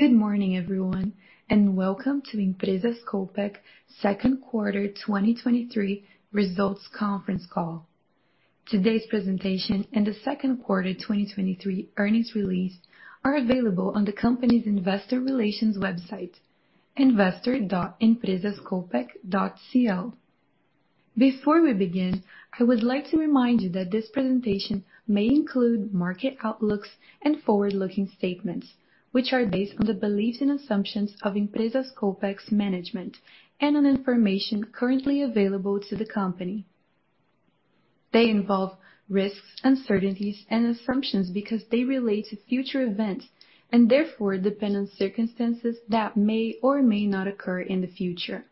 Good morning, everyone, welcome to Empresas Copec Second Quarter 2023 Results Conference Call. Today's presentation and the second quarter 2023 earnings release are available on the company's investor relations website, investor.empresascopec.cl. Before we begin, I would like to remind you that this presentation may include market outlooks and forward-looking statements, which are based on the beliefs and assumptions of Empresas Copec's management and on information currently available to the company. They involve risks, uncertainties and assumptions because they relate to future events, and therefore depend on circumstances that may or may not occur in the future.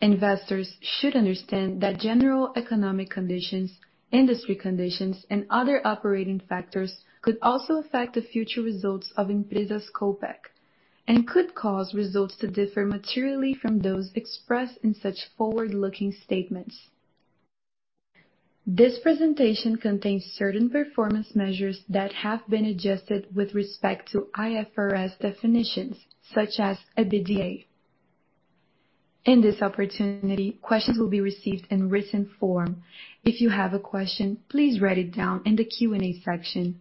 Investors should understand that general economic conditions, industry conditions, and other operating factors could also affect the future results of Empresas Copec, and could cause results to differ materially from those expressed in such forward-looking statements. This presentation contains certain performance measures that have been adjusted with respect to IFRS definitions, such as EBITDA. In this opportunity, questions will be received in written form. If you have a question, please write it down in the Q&A section.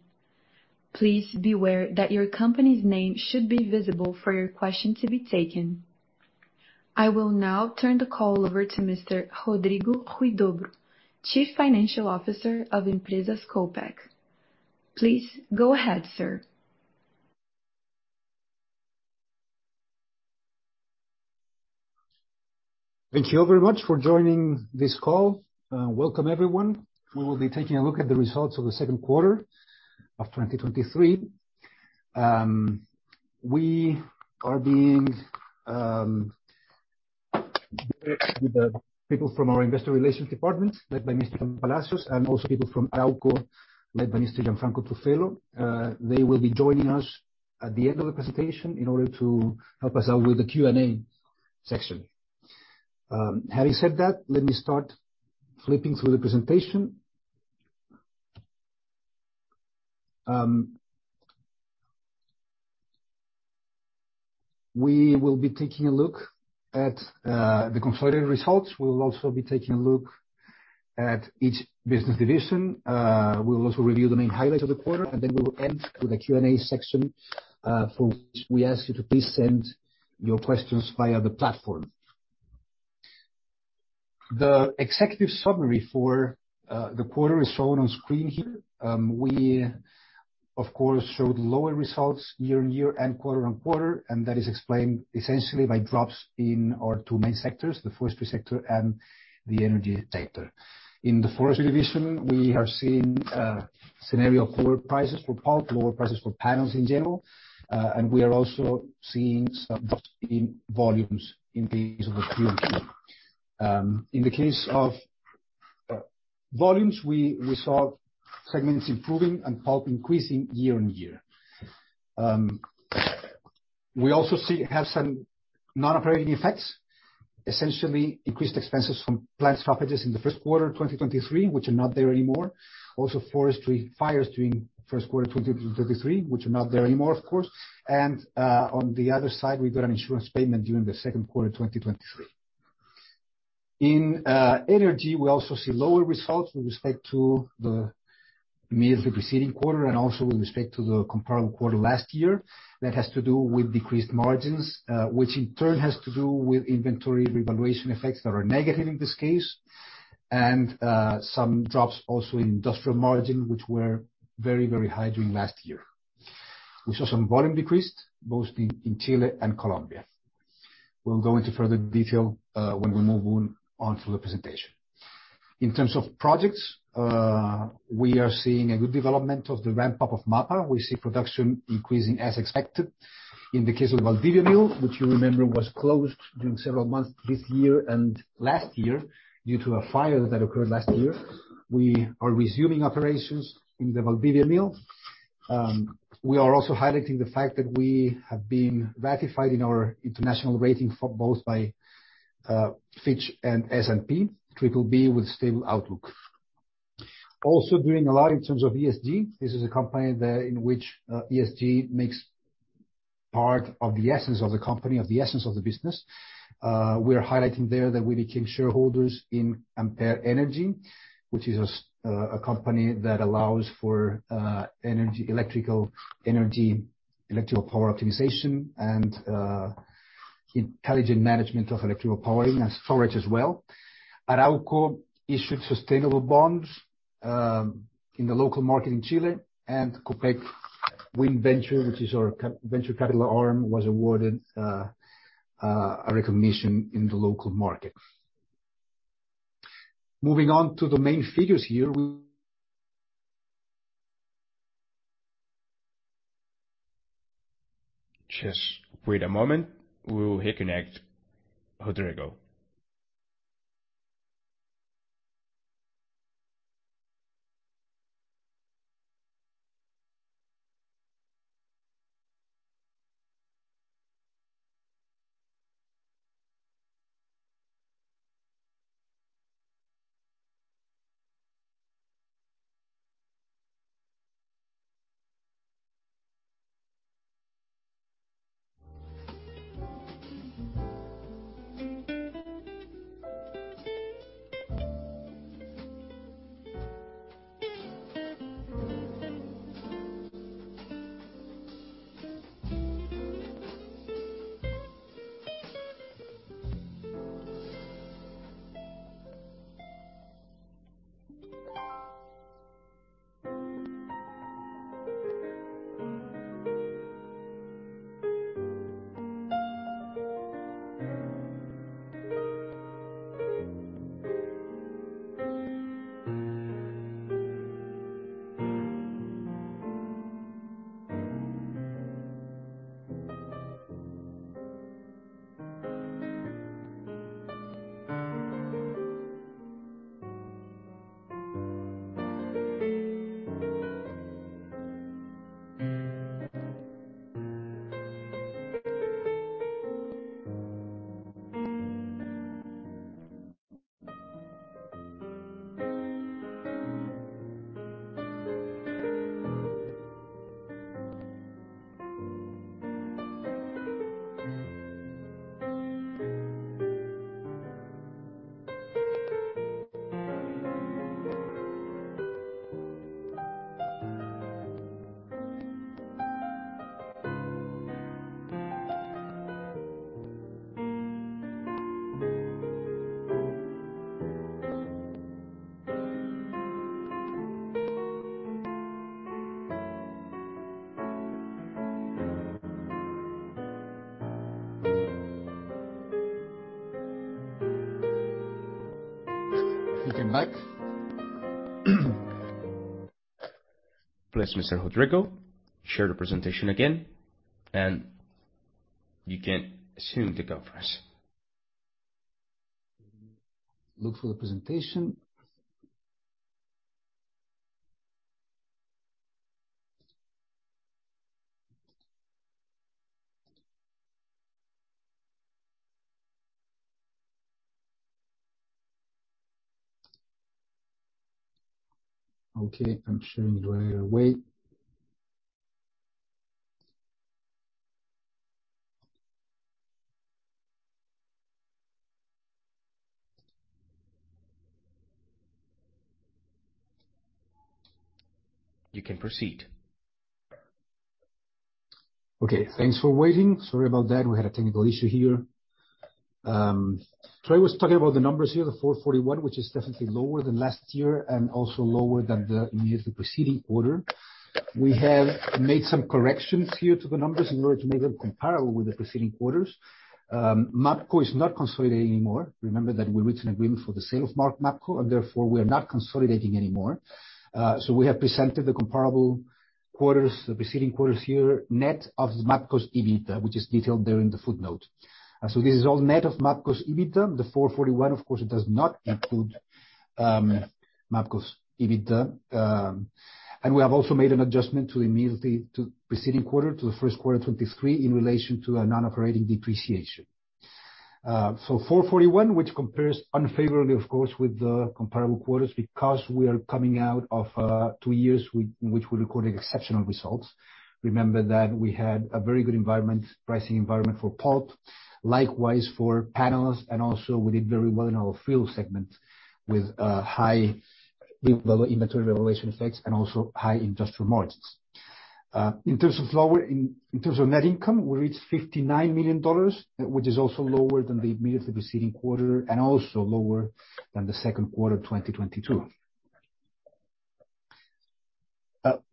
Please be aware that your company's name should be visible for your question to be taken. I will now turn the call over to Mr. Rodrigo Huidobro, Chief Financial Officer of Empresas Copec. Please go ahead, sir. Thank you very much for joining this call. Welcome, everyone. We will be taking a look at the results of the second quarter of 2023. We are being with the people from our investor relations department, led by Mr. Palacios, and also people from Arauco, led by Mr. Gianfranco Truffello. They will be joining us at the end of the presentation in order to help us out with the Q&A section. Having said that, let me start flipping through the presentation. We will be taking a look at the consolidated results. We will also be taking a look at each business division. We will also review the main highlights of the quarter, and then we will end with a Q&A section for which we ask you to please send your questions via the platform. The executive summary for the quarter is shown on screen here. We, of course, showed lower results year-on-year and quarter-on-quarter, and that is explained essentially by drops in our two main sectors, the forestry sector and the energy sector. In the forestry division, we have seen a scenario of lower prices for pulp, lower prices for panels in general, and we are also seeing some drops in volumes in the use of the Q2. In the case of volumes, we, we saw segments improving and pulp increasing year-on-year. We also have some non-operating effects, essentially increased expenses from plant stoppages in the first quarter of 2023, which are not there anymore. Also, forestry fires during first quarter of 2023, which are not there anymore, of course. On the other side, we got an insurance payment during the second quarter of 2023. In energy, we also see lower results with respect to the immediately preceding quarter and also with respect to the comparable quarter last year. That has to do with decreased margins, which in turn has to do with inventory revaluation effects that are negative in this case. Some drops also in industrial margin, which were very, very high during last year. We saw some volume decreased, both in Chile and Colombia. We'll go into further detail when we move on to the presentation. In terms of projects, we are seeing a good development of the ramp-up of MAPA. We see production increasing as expected. In the case of Valdivia Mill, which you remember was closed during several months this year and last year due to a fire that occurred last year, we are resuming operations in the Valdivia Mill. We are also highlighting the fact that we have been ratified in our international rating for both by Fitch and S&P, BBB with stable outlook. Also, doing a lot in terms of ESG. This is a company in which ESG makes part of the essence of the company, of the essence of the business. We are highlighting there that we became shareholders in Ampere Energy, which is a company that allows for energy, electrical energy, electrical power optimization, and intelligent management of electrical powering and storage as well. Arauco issued sustainable bonds in the local market in Chile. Copec Wind Ventures, which is our venture capital arm, was awarded a recognition in the local market. Moving on to the main figures here, we... Just wait a moment. We will reconnect, Rodrigo. You can back. Please, Mr. Rodrigo, share the presentation again, and you can assume the conference. Look for the presentation. Okay, I'm sharing right away. You can proceed. Okay, thanks for waiting. Sorry about that. We had a technical issue here. I was talking about the numbers here, the $441, which is definitely lower than last year and also lower than the immediately preceding quarter. We have made some corrections here to the numbers in order to make them comparable with the preceding quarters. Mapco is not consolidating anymore. Remember that we reached an agreement for the sale of Mapco, therefore, we are not consolidating anymore. We have presented the comparable quarters, the preceding quarters here, net of Mapco's EBIT, which is detailed there in the footnote. This is all net of Mapco's EBIT. The $441, of course, it does not include Mapco's EBIT. We have also made an adjustment to the immediately to preceding quarter, to the first quarter 2023, in relation to a non-operating depreciation. $441, which compares unfavorably, of course, with the comparable quarters, because we are coming out of two years we, which we recorded exceptional results. Remember that we had a very good environment, pricing environment for pulp, likewise for panels, and also we did very well in our fuel segment with high inventory revaluation effects and also high industrial margins. In terms of lower net income, we reached $59 million, which is also lower than the immediately preceding quarter and also lower than the second quarter of 2022.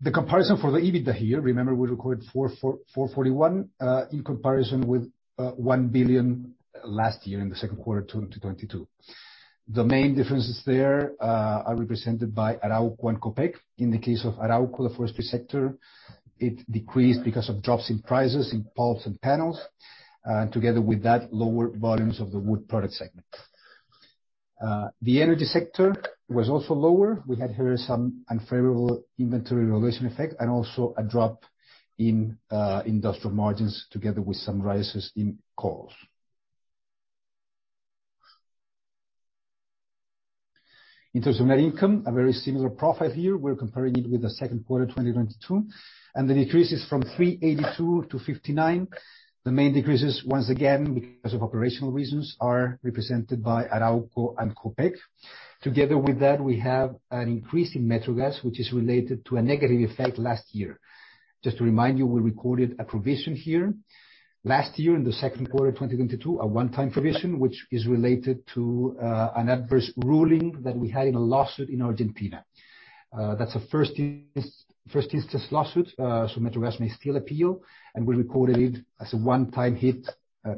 The comparison for the EBITDA here, remember, we recorded $441 in comparison with $1 billion last year in the second quarter of 2022. The main differences there are represented by Arauco and Copec. In the case of Arauco, the forestry sector, it decreased because of drops in prices, in pulps and panels, and together with that, lower volumes of the wood product segment. The energy sector was also lower. We had here some unfavorable inventory revaluation effect and also a drop in industrial margins, together with some rises in costs. In terms of net income, a very similar profit here. We're comparing it with the second quarter of 2022. The decrease is from $382 to $59. The main decreases, once again, because of operational reasons, are represented by Arauco and Copec. Together with that, we have an increase in Metrogas, which is related to a negative effect last year. Just to remind you, we recorded a provision here last year, in the second quarter of 2022, a one-time provision, which is related to an adverse ruling that we had in a lawsuit in Argentina. That's a first instance, first instance lawsuit, so Metrogas may still appeal, and we recorded it as a one-time hit,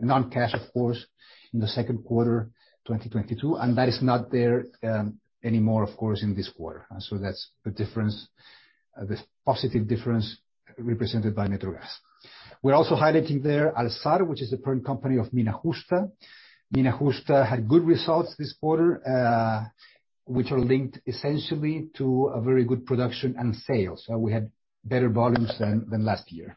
non-cash, of course, in the second quarter of 2022, and that is not there anymore, of course, in this quarter. That's the difference, the positive difference represented by Metrogas. We're also highlighting there Alxar, which is the parent company of Mina Justa. Mina Justa had good results this quarter, which are linked essentially to a very good production and sales. We had better volumes than last year.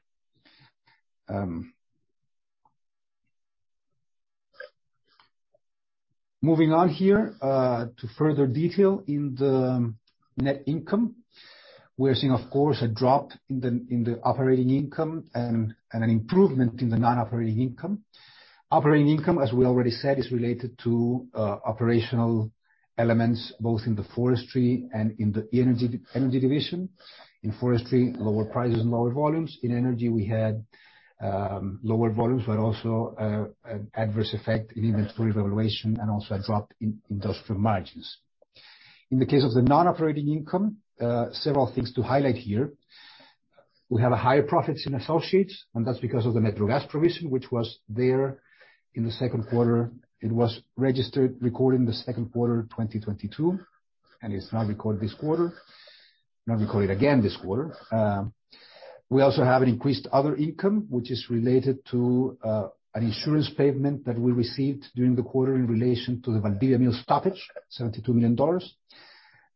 Moving on here, to further detail in the net income. We're seeing, of course, a drop in the operating income and an improvement in the non-operating income. Operating income, as we already said, is related to operational elements, both in the forestry and in the energy division. In forestry, lower prices and lower volumes. In energy, we had lower volumes, but also an adverse effect in inventory valuation and also a drop in industrial margins. In the case of the non-operating income, several things to highlight here. We have a higher profits in associates, that's because of the Natural Gas provision, which was there in the second quarter. It was registered, recorded in the second quarter of 2022, it's now recorded this quarter. We record it again this quarter. We also have an increased other income, which is related to an insurance payment that we received during the quarter in relation to the Valdivia Mill stoppage, $72 million.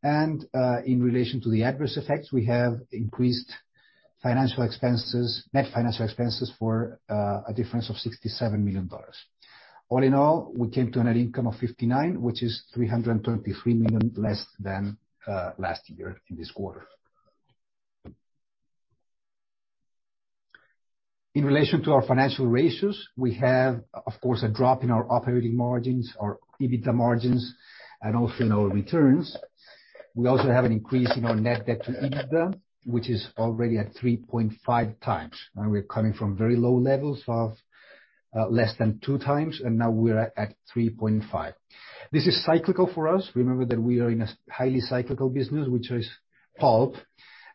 In relation to the adverse effects, we have increased financial expenses, net financial expenses for a difference of $67 million. All in all, we came to a net income of $59 million, which is $323 million less than last year in this quarter. In relation to our financial ratios, we have, of course, a drop in our operating margins, our EBITDA margins, and also in our returns. We also have an increase in our net debt to EBITDA, which is already at 3.5x, and we're coming from very low levels of less than 2x, and now we're at 3.5x. This is cyclical for us. Remember that we are in a highly cyclical business, which is pulp,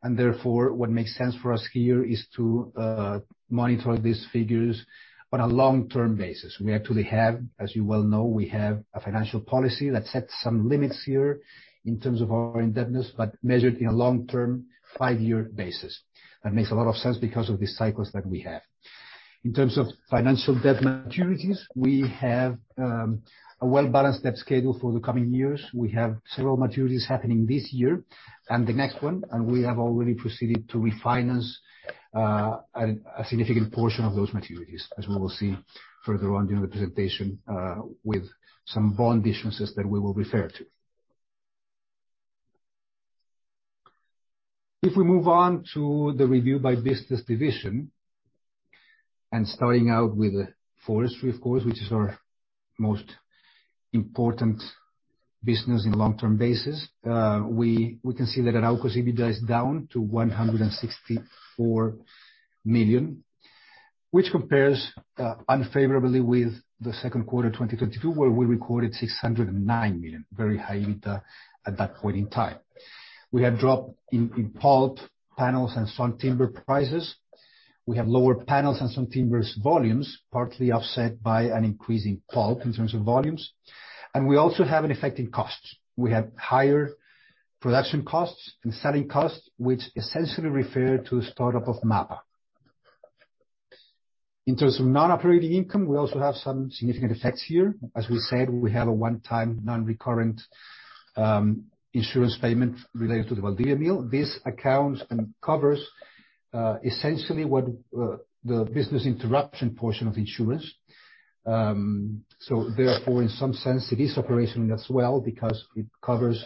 and therefore, what makes sense for us here is to monitor these figures on a long-term basis. We actually have, as you well know, we have a financial policy that sets some limits here in terms of our indebtedness, but measured in a long-term, five-year basis. That makes a lot of sense because of the cycles that we have. In terms of financial debt maturities, we have a well-balanced debt schedule for the coming years. We have several maturities happening this year and the next one. We have already proceeded to refinance a significant portion of those maturities, as we will see further on during the presentation with some bond issuances that we will refer to. If we move on to the review by business division, starting out with forestry, of course, which is our most important business in long-term basis, we can see that Arauco's EBITDA is down to $164 million, which compares unfavorably with the second quarter of 2022, where we recorded $609 million, very high EBITDA at that point in time. We have dropped in pulp, panels, and sawn timber prices. We have lower panels and sawn timbers volumes, partly offset by an increase in pulp in terms of volumes. We also have an effect in costs. We have higher production costs and selling costs, which essentially refer to the start up of MAPA. In terms of non-operating income, we also have some significant effects here. As we said, we have a one-time, non-recurrent insurance payment related to the Valdivia Mill. This accounts and covers essentially what the business interruption portion of insurance. Therefore, in some sense, it is operational as well because it covers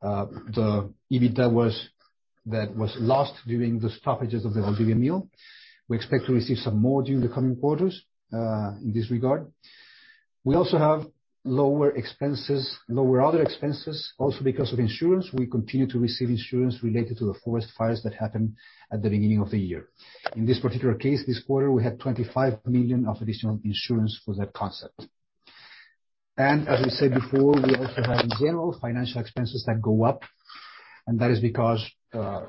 the EBITDA was, that was lost during the stoppages of the Valdivia Mill. We expect to receive some more during the coming quarters in this regard. We also have lower expenses, lower other expenses, also because of insurance. We continue to receive insurance related to the forest fires that happened at the beginning of the year. In this particular case, this quarter, we had $25 million of additional insurance for that concept. As we said before, we also have general financial expenses that go up, and that is because the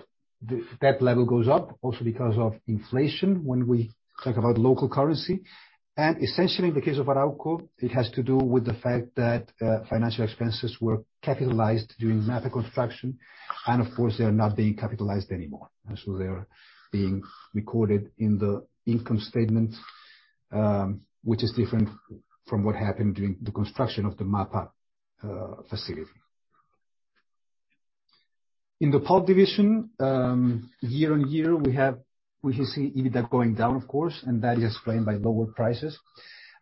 debt level goes up, also because of inflation when we talk about local currency. Essentially, in the case of Arauco, it has to do with the fact that financial expenses were capitalized during MAPA construction, and of course, they are not being capitalized anymore. So they are being recorded in the income statement, which is different from what happened during the construction of the MAPA facility. In the pulp division, year-over-year, we can see EBITDA going down, of course, and that is explained by lower prices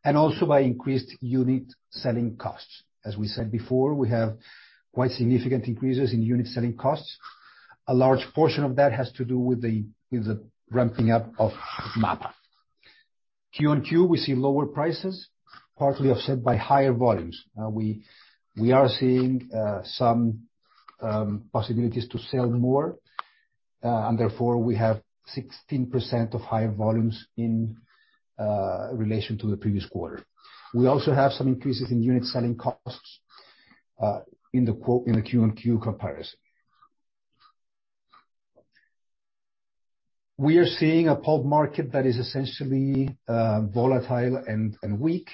and also by increased unit selling costs. As we said before, we have quite significant increases in unit selling costs. uh, some, um, possibilities to sell more, uh, and therefore, we have 16% of higher volumes in, uh, relation to the previous quarter. We also have some increases in unit selling costs, uh, in the Q-on-Q comparison. We are seeing a pulp market that is essentially, uh, volatile and weak.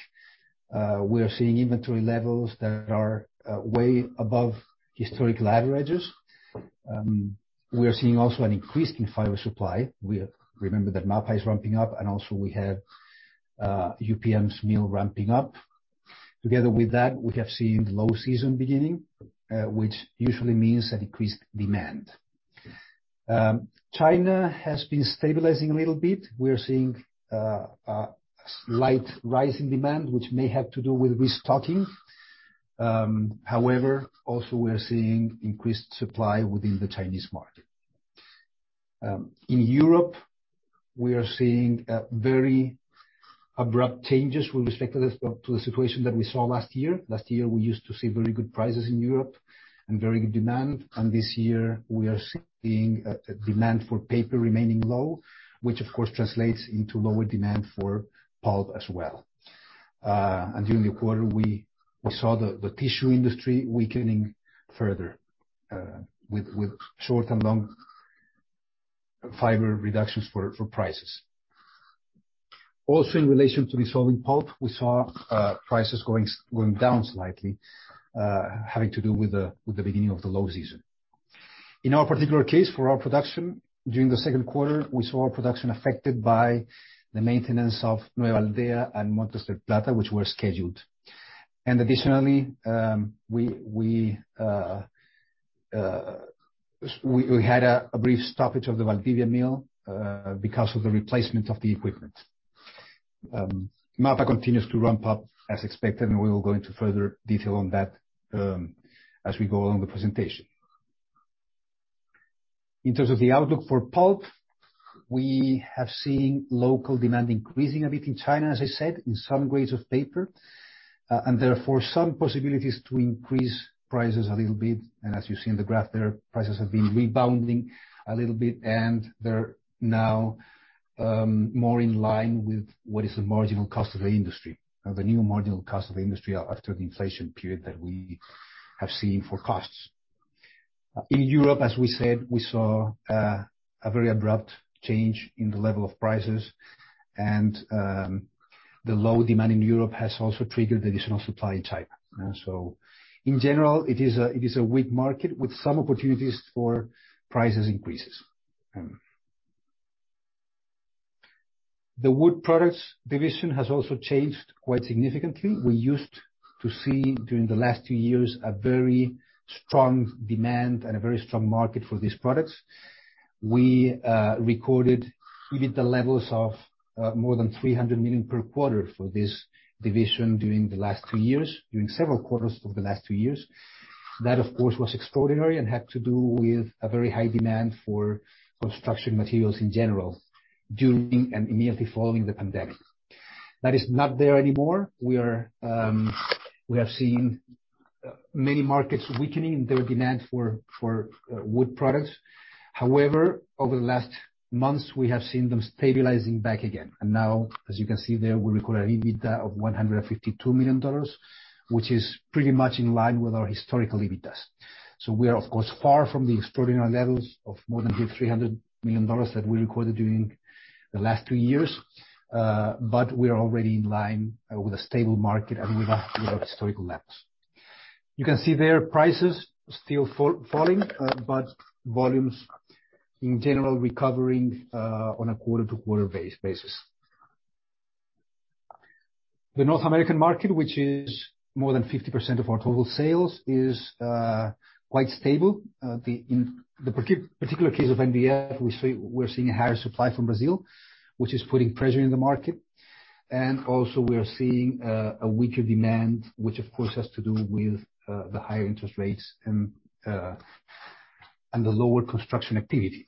We are seeing inventory levels that are, uh, way above historic averages. We are seeing also an increase in fiber supply. We remember that MAPA is ramping up, and also we have UPM's mill ramping up. Together with that, we have seen the low season beginning, which usually means an increased demand. China has been stabilizing a little bit. We are seeing a slight rise in demand, which may have to do with restocking. Also we are seeing increased supply within the Chinese market. Europe, we are seeing very abrupt changes with respect to the situation that we saw last year. Last year, we used to see very good prices in Europe and very good demand, this year we are seeing a demand for paper remaining low, which of course translates into lower demand for pulp as well. During the quarter, we saw the tissue industry weakening further with short and long fiber reductions for prices. Also, in relation to dissolving pulp, we saw prices going down slightly having to do with the beginning of the low season. In our particular case, for our production, during the second quarter, we saw our production affected by the maintenance of Nueva Aldea and Montes del Plata, which were scheduled. Additionally, we had a brief stoppage of the Valdivia mill because of the replacement of the equipment. Mataquito continues to ramp up as expected. We will go into further detail on that as we go along the presentation. In terms of the outlook for pulp, we have seen local demand increasing a bit in China, as I said, in some grades of paper. Therefore, some possibilities to increase prices a little bit. As you see in the graph there, prices have been rebounding a little bit, and they're now more in line with what is the marginal cost of the industry, or the new marginal cost of the industry after the inflation period that we have seen for costs. In Europe, as we said, we saw a very abrupt change in the level of prices, and the low demand in Europe has also triggered additional supply type. In general, it is a weak market with some opportunities for prices increases. The wood products division has also changed quite significantly. We used to see, during the last two years, a very strong demand and a very strong market for these products. We recorded, we did the levels of more than $300 million per quarter for this division during the last two years, during several quarters over the last two years. That, of course, was extraordinary and had to do with a very high demand for construction materials in general, during and immediately following the pandemic. That is not there anymore. We have seen many markets weakening their demand for, for wood products. However, over the last months, we have seen them stabilizing back again. Now, as you can see there, we record an EBITDA of $152 million, which is pretty much in line with our historical EBITDAs. We are, of course, far from the extraordinary levels of more than $300 million that we recorded during the last two years, but we are already in line with a stable market and with our, with our historical levels. You can see there, prices still falling, but volumes in general, recovering on a quarter-to-quarter base, basis. The North American market, which is more than 50% of our total sales, is quite stable. In the particular case of MDF, we're seeing a higher supply from Brazil, which is putting pressure in the market. Also, we are seeing a weaker demand, which of course has to do with the higher interest rates and the lower construction activity.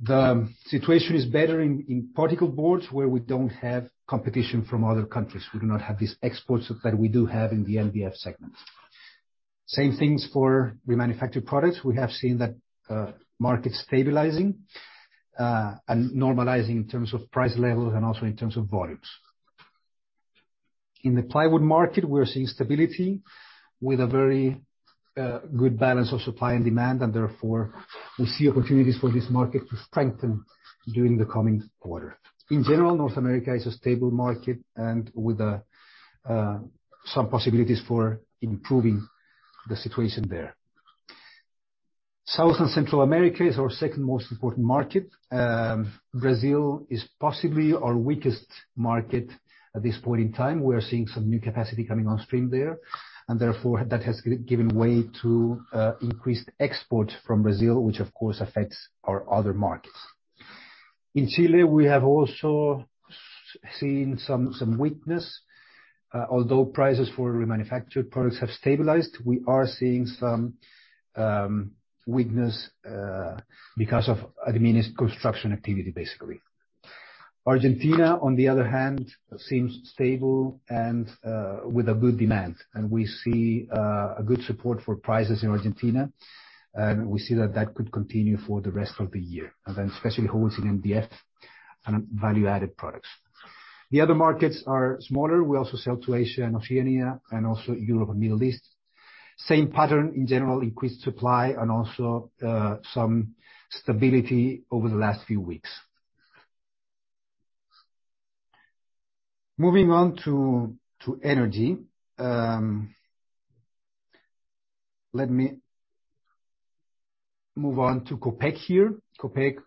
The situation is better in particle boards, where we don't have competition from other countries. We do not have these exports that we do have in the NDF segment. Same things for remanufactured products. We have seen that market stabilizing and normalizing in terms of price levels and also in terms of volumes. In the plywood market, we are seeing stability with a very good balance of supply and demand, and therefore, we see opportunities for this market to strengthen during the coming quarter. In general, North America is a stable market and with a some possibilities for improving the situation there. South and Central America is our second most important market. Brazil is possibly our weakest market at this point in time. We are seeing some new capacity coming on stream there, therefore, that has given way to increased export from Brazil, which of course, affects our other markets. In Chile, we have also seen some, some weakness. Although prices for remanufactured products have stabilized, we are seeing some weakness because of diminished construction activity, basically. Argentina, on the other hand, seems stable with a good demand, and we see a good support for prices in Argentina, and we see that that could continue for the rest of the year, and then especially holding in MDF and value-added products. The other markets are smaller. We also sell to Asia and Oceania, and also Europe and Middle East. Same pattern, in general, increased supply and also some stability over the last few weeks. Moving on to, to energy, let me move on to Copec here. Copec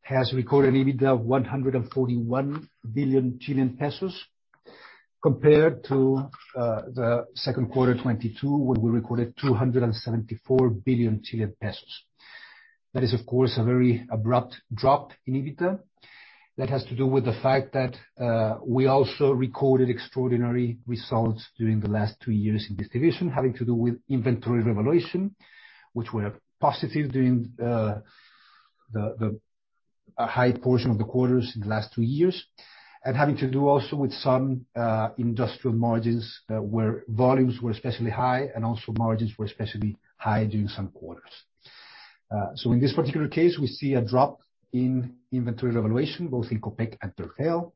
has recorded an EBITDA of 141 billion Chilean pesos, compared to the second quarter 2022, where we recorded 274 billion Chilean pesos. That is, of course, a very abrupt drop in EBITDA. That has to do with the fact that we also recorded extraordinary results during the last two years in distribution, having to do with inventory revaluation, which were positive during the, the, a high portion of the quarters in the last two years. Having to do also with some industrial margins, where volumes were especially high, and also margins were especially high during some quarters. In this particular case, we see a drop in inventory revaluation, both in Copec and Terpel.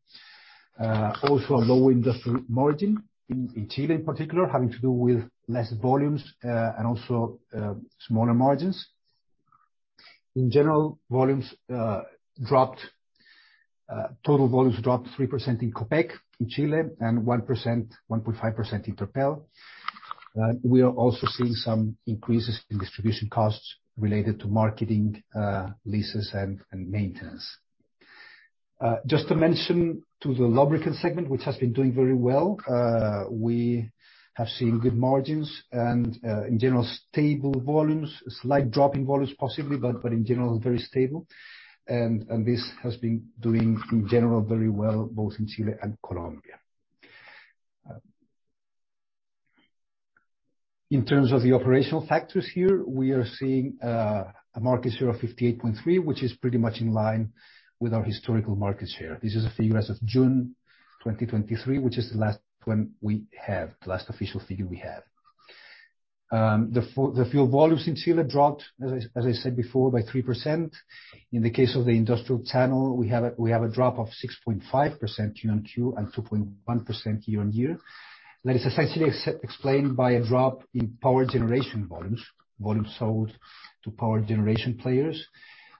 Also a low industrial margin in, in Chile in particular, having to do with less volumes, and also smaller margins. In general, volumes dropped, total volumes dropped 3% in Copec, in Chile, and 1%, 1.5% in Terpel. We are also seeing some increases in distribution costs related to marketing, leases, and maintenance. Just to mention to the lubricant segment, which has been doing very well, we have seen good margins, in general, stable volumes, a slight drop in volumes, possibly, but in general, very stable. This has been doing, in general, very well, both in Chile and Colombia. In terms of the operational factors here, we are seeing a market share of 58.3, which is pretty much in line with our historical market share. This is a figure as of June 2023, which is the last one we have, the last official figure we have. The fuel volumes in Chile dropped, as I, as I said before, by 3%. In the case of the industrial channel, we have a, we have a drop of 6.5% Q on Q, and 2.1% year on year. That is essentially explained by a drop in power generation volumes, volumes sold to power generation players,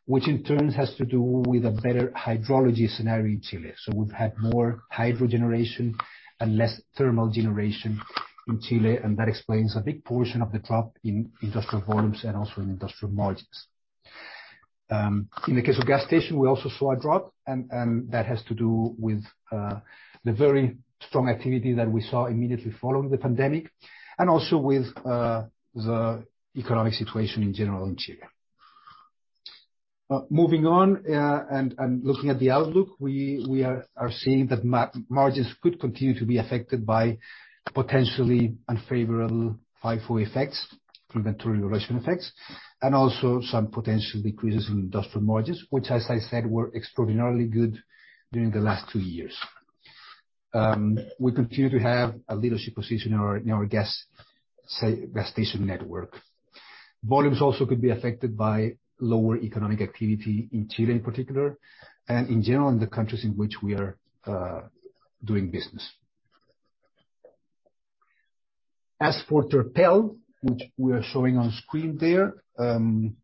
which, in turn, has to do with a better hydrology scenario in Chile. We've had more hydro generation and less thermal generation in Chile, and that explains a big portion of the drop in industrial volumes and also in industrial margins. In the case of gas station, we also saw a drop, and that has to do with the very strong activity that we saw immediately following the pandemic, and also with the economic situation in general in Chile. Moving on, and looking at the outlook, we are seeing that margins could continue to be affected by potentially unfavorable FIFO effects, inventory revaluation effects, and also some potential decreases in industrial margins, which, as I said, were extraordinarily good during the last two years. We continue to have a leadership position in our gas station network. Volumes also could be affected by lower economic activity in Chile, in particular, and in general, in the countries in which we are doing business. As for Terpel, which we are showing on screen there, we are seeing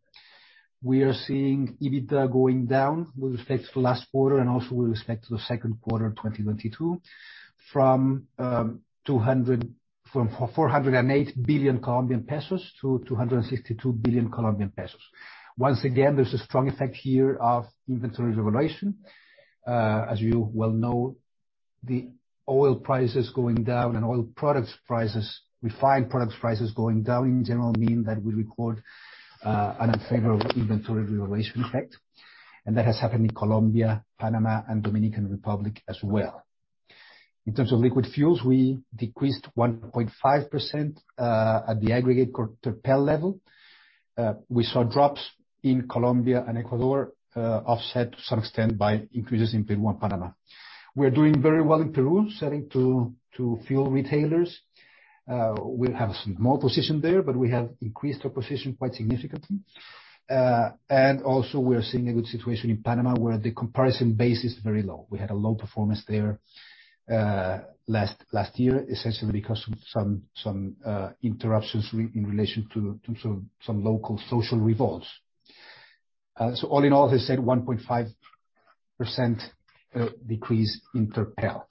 EBITDA going down with respect to the last quarter and also with respect to the second quarter of 2022, from COP 408 billion to COP 262 billion. Once again, there's a strong effect here of inventory revaluation. As you well know, the oil prices going down and oil products prices, refined products prices going down, in general, mean that we record an unfavorable inventory revaluation effect, and that has happened in Colombia, Panama, and Dominican Republic as well. In terms of liquid fuels, we decreased 1.5% at the aggregate Terpel level. We saw drops in Colombia and Ecuador, offset to some extent by increases in Panama. We're doing very well in Peru, selling to, to fuel retailers. We have a small position there, we have increased our position quite significantly. Also, we are seeing a good situation in Panama, where the comparison base is very low. We had a low performance there, last year, essentially because of some, some interruptions in relation to some local social revolts. All in all, as I said, 1.5% decrease in Terpel.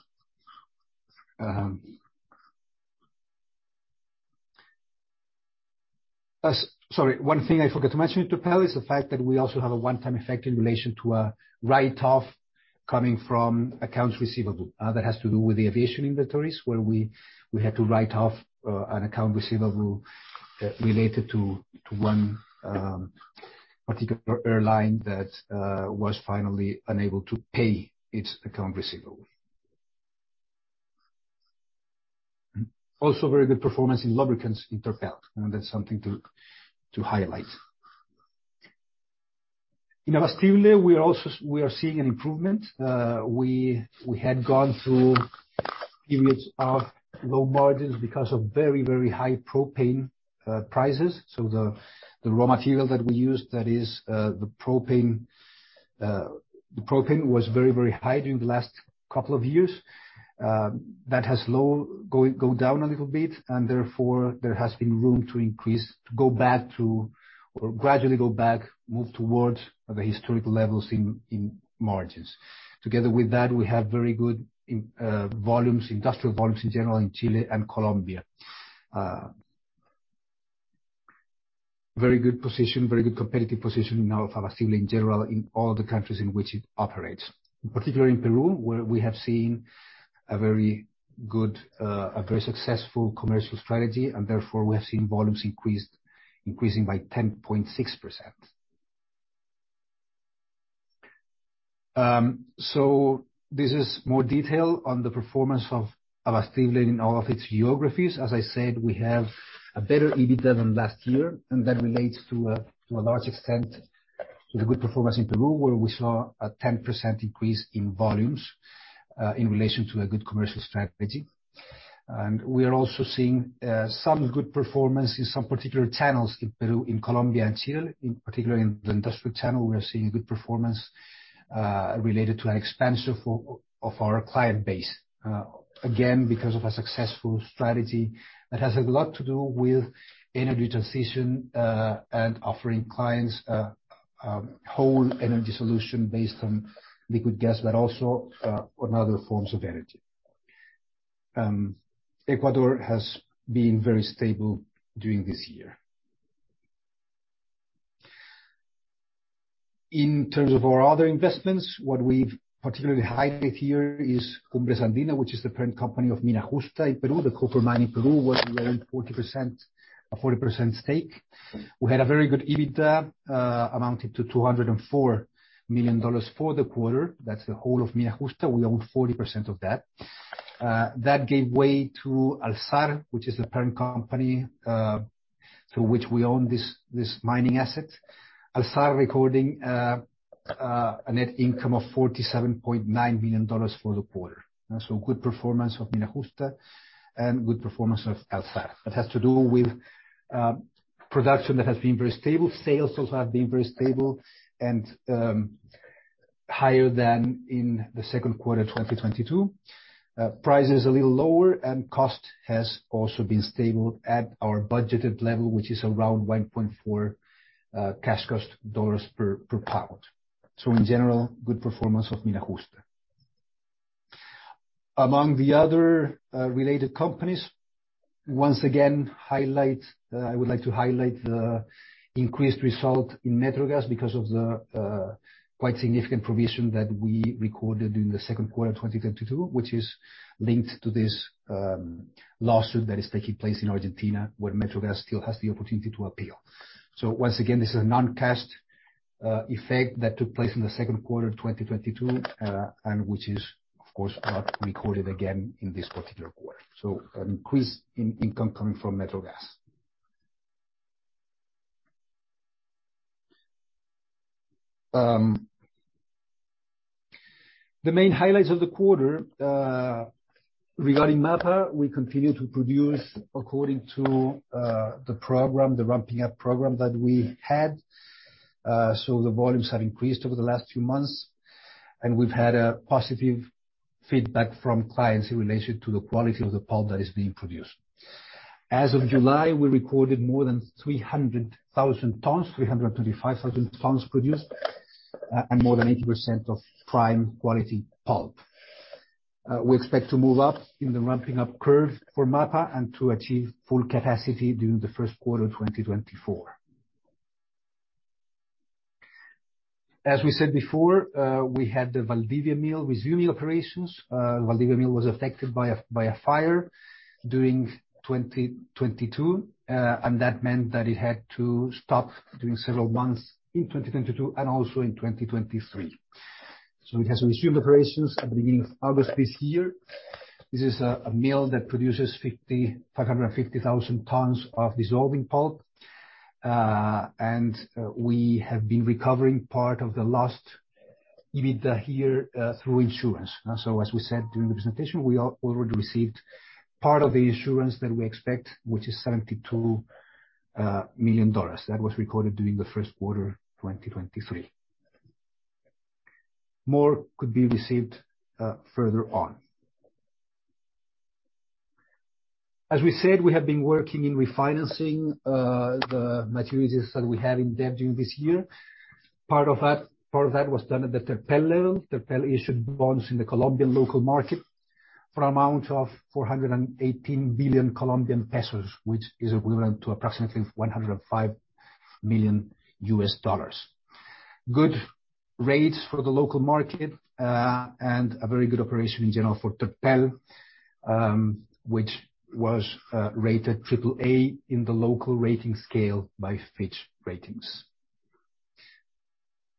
Sorry, one thing I forgot to mention in Terpel is the fact that we also have a one-time effect in relation to a write-off coming from accounts receivable. That has to do with the aviation inventories, where we, we had to write off an account receivable related to one particular airline that was finally unable to pay its account receivable. Also, very good performance in lubricants in Terpel, and that's something to highlight. In Abastible, we are also, we are seeing an improvement. We, we had gone through periods of low margins because of very, very high propane prices. The, the raw material that we used, that is, the propane, the propane was very, very high during the last couple of years. That has low, going, go down a little bit, and therefore, there has been room to increase, to go back to, or gradually go back, move towards the historical levels in margins. Together with that, we have very good volumes, industrial volumes in general, in Chile and Colombia. Very good position, very good competitive position now of Abastible in general, in all the countries in which it operates. Particularly in Peru, where we have seen a very good, a very successful commercial strategy, and therefore, we have seen volumes increased, increasing by 10.6%. This is more detail on the performance of Abastible in all of its geographies. As I said, we have a better EBITDA than last year, and that relates to a large extent, with a good performance in Peru, where we saw a 10% increase in volumes in relation to a good commercial strategy. We are also seeing some good performance in some particular channels in Peru, in Colombia, and Chile. In particular, in the industrial channel, we are seeing good performance related to an expansion of our client base. Again, because of a successful strategy that has a lot to do with energy transition, and offering clients a whole energy solution based on liquid gas, but also on other forms of energy. Ecuador has been very stable during this year. In terms of our other investments, what we've particularly highlighted here is Cumbres Andinas, which is the parent company of Mina Justa in Peru, the copper mine in Peru, where we own 40%, a 40% stake. We had a very good EBITDA amounted to $204 million for the quarter. That's the whole of Mina Justa. We own 40% of that. That gave way to Alxar, which is the parent company, through which we own this, this mining asset. Alxar recording a net income of $47.9 million for the quarter. Good performance of Mina Justa and good performance of Alxar. That has to do with production that has been very stable. Sales also have been very stable and higher than in the second quarter, 2022. Price is a little lower, and cost has also been stable at our budgeted level, which is around $1.4 cash cost dollars per pound. In general, good performance of Mina Justa. Among the other related companies, once again, highlight, I would like to highlight the increased result in Metrogas because of the quite significant provision that we recorded during the second quarter of 2022, which is linked to this lawsuit that is taking place in Argentina, where Metrogas still has the opportunity to appeal. Once again, this is a non-cash effect that took place in the second quarter of 2022, and which is, of course, not recorded again in this particular quarter. An increase in income coming from Metrogas. The main highlights of the quarter, regarding Mapa, we continue to produce according to the program, the ramping up program that we had. The volumes have increased over the last few months, and we've had a positive feedback from clients in relation to the quality of the pulp that is being produced. As of July, we recorded more than 300,000 tons, 335,000 tons produced, and more than 80% of prime quality pulp. We expect to move up in the ramping up curve for MAPA and to achieve full capacity during the first quarter of 2024. As we said before, we had the Valdivia Mill resuming operations. Valdivia Mill was affected by a fire during 2022, and that meant that it had to stop during several months in 2022 and also in 2023. It has resumed operations at the beginning of August this year. This is a, a mill that produces 550,000 tons of dissolving pulp. We have been recovering part of the lost EBITDA here through insurance. As we said during the presentation, we already received part of the insurance that we expect, which is $72 million. That was recorded during the first quarter, 2023. More could be received further on. As we said, we have been working in refinancing the maturities that we have in debt due this year. Part of that, part of that was done at the Terpel level. Terpel issued bonds in the Colombian local market for an amount of COP 418 billion, which is equivalent to approximately $105 million. Good rates for the local market, a very good operation in general for Terpel, which was rated AAA in the local rating scale by Fitch Ratings.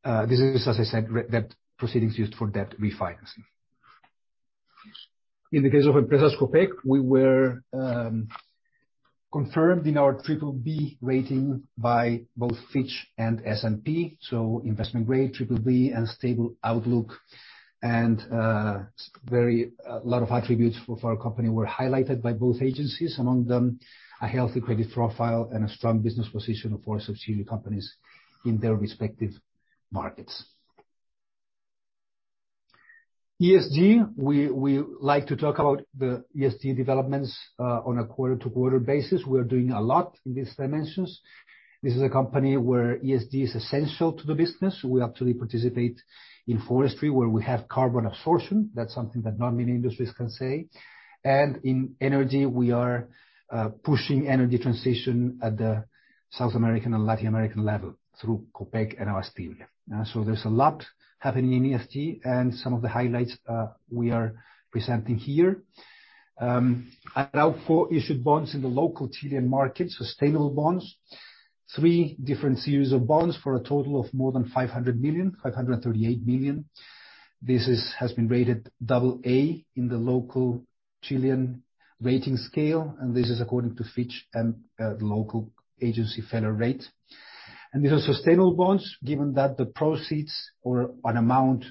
This is, as I said, that proceedings used for debt refinancing. In the case of Empresas Copec, we were confirmed in our BBB rating by both Fitch and S&P, so investment grade BBB and stable outlook. A lot of attributes for our company were highlighted by both agencies, among them, a healthy credit profile and a strong business position for subsidiary companies in their respective markets. ESG, we like to talk about the ESG developments on a quarter-to-quarter basis. We are doing a lot in these dimensions. This is a company where ESG is essential to the business. We actually participate in forestry, where we have carbon absorption. That's something that not many industries can say. In energy, we are pushing energy transition at the South American and Latin American level through Copec and Abastible. So there's a lot happening in ESG, and some of the highlights we are presenting here. Arauco issued bonds in the local Chilean market, sustainable bonds, three different series of bonds for a total of more than $500 million, $538 million. This has been rated AA in the local Chilean rating scale, and this is according to Fitch and local agency Feller Rate. These are sustainable bonds, given that the proceeds or an amount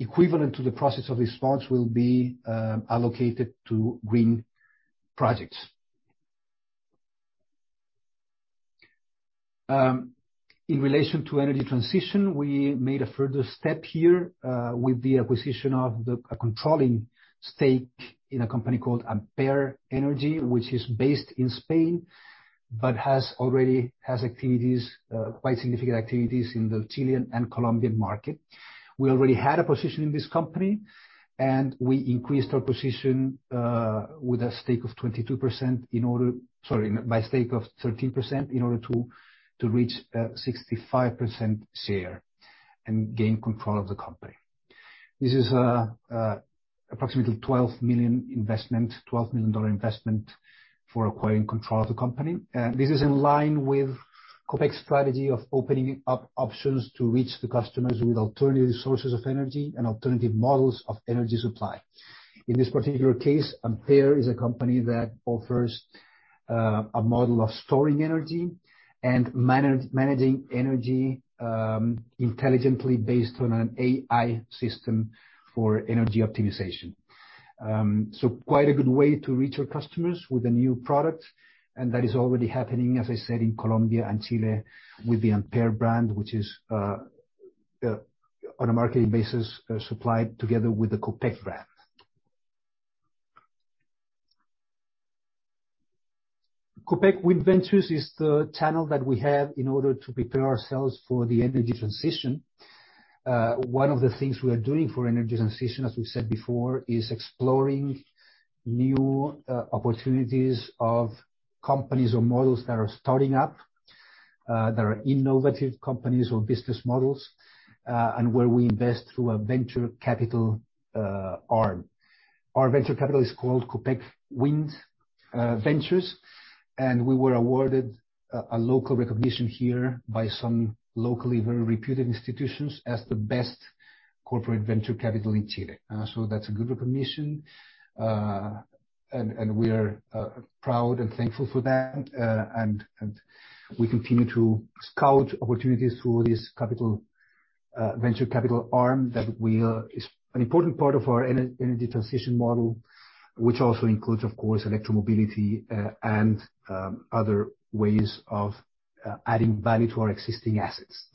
equivalent to the proceeds of these bonds will be allocated to green projects. In relation to energy transition, we made a further step here with the acquisition of the, a controlling stake in a company called Ampere Energy, which is based in Spain, but has already, has activities, quite significant activities in the Chilean and Colombian market. We already had a position in this company, and we increased our position with a stake of 22% in order... Sorry, by stake of 13% in order to, to reach 65% share and gain control of the company. This is approximately $12 million investment for acquiring control of the company. This is in line with Copec's strategy of opening up options to reach the customers with alternative sources of energy and alternative models of energy supply. In this particular case, Ampere is a company that offers a model of storing energy and managing energy intelligently based on an AI system for energy optimization. Quite a good way to reach our customers with a new product, and that is already happening, as I said, in Colombia and Chile, with the Ampere brand, which is on a marketing basis supplied together with the Copec brand. Copec WIND Ventures is the channel that we have in order to prepare ourselves for the energy transition. One of the things we are doing for energy transition, as we said before, is exploring new opportunities of companies or models that are starting up, that are innovative companies or business models, and where we invest through a venture capital arm. Our venture capital is called Copec WIND Ventures, and we were awarded a local recognition here by some locally very reputed institutions as the best corporate venture capital in Chile. So that's a good recognition, and we are proud and thankful for that. We continue to scout opportunities through this capital venture capital arm, which is an important part of our energy transition model, which also includes, of course, electro mobility, and other ways of adding value to our existing assets.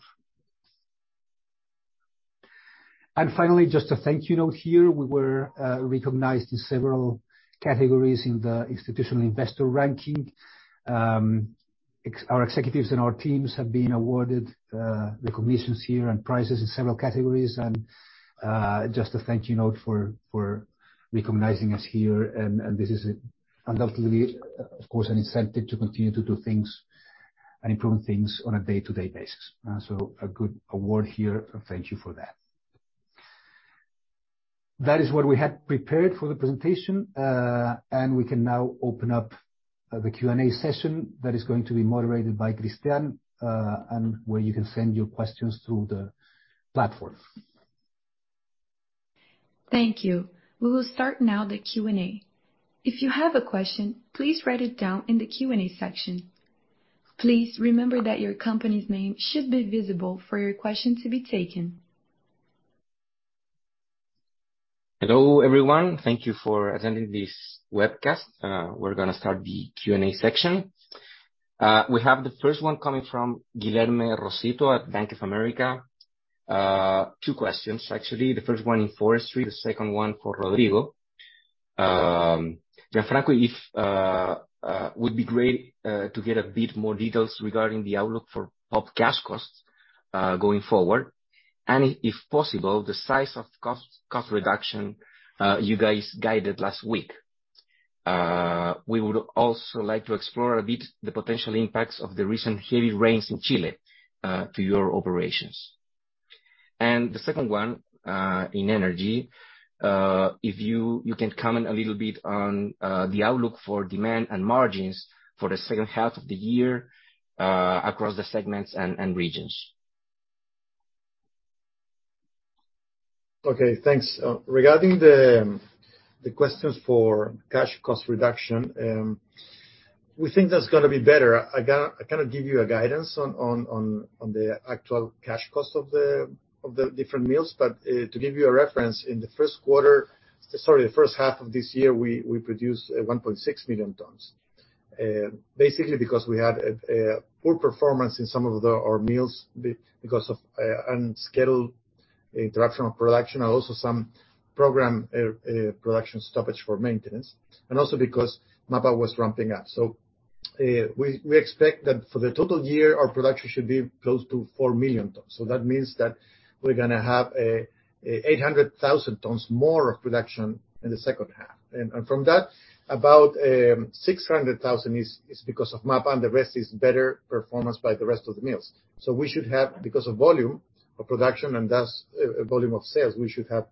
Finally, just a thank you note here. We were recognized in several categories in the Institutional Investor ranking. Our executives and our teams have been awarded recognitions here and prizes in several categories, and just a thank you note for recognizing us here. This is undoubtedly, of course, an incentive to continue to do things and improve things on a day-to-day basis. So a good award here, and thank you for that. That is what we had prepared for the presentation, and we can now open up the Q&A session that is going to be moderated by Christian, and where you can send your questions through the platform. Thank you. We will start now the Q&A. If you have a question, please write it down in the Q&A section. Please remember that your company's name should be visible for your question to be taken. Hello, everyone. Thank you for attending this webcast. We're going to start the Q&A section. We have the first one coming from Guilherme Rosito at Bank of America. two questions, actually. The first one in forestry, the second one for Rodrigo. Gianfranco, if, would be great to get a bit more details regarding the outlook for pulp cash costs going forward, and if possible, the size of cost, cost reduction, you guys guided last week. We would also like to explore a bit the potential impacts of the recent heavy rains in Chile to your operations. The second one, in energy, if you can comment a little bit on the outlook for demand and margins for the second half of the year, across the segments and regions. Okay, thanks. Regarding the questions for cash cost reduction, we think that's going to be better. I cannot give you a guidance on the actual cash cost of the different mills, but to give you a reference, in the first quarter. Sorry, the first half of this year, we produced 1.6 million tons. basically, because we had a poor performance in some of our mills because of unscheduled interruption of production, and also some program production stoppage for maintenance, and also because MAPA was ramping up. We expect that for the total year, our production should be close to 4 million tons. That means that we're going to have an 800,000 tons more of production in the second half. From that, about 600,000 is because of MAPA, and the rest is better performance by the rest of the mills. We should have, because of volume of production, and thus volume of sales, we should have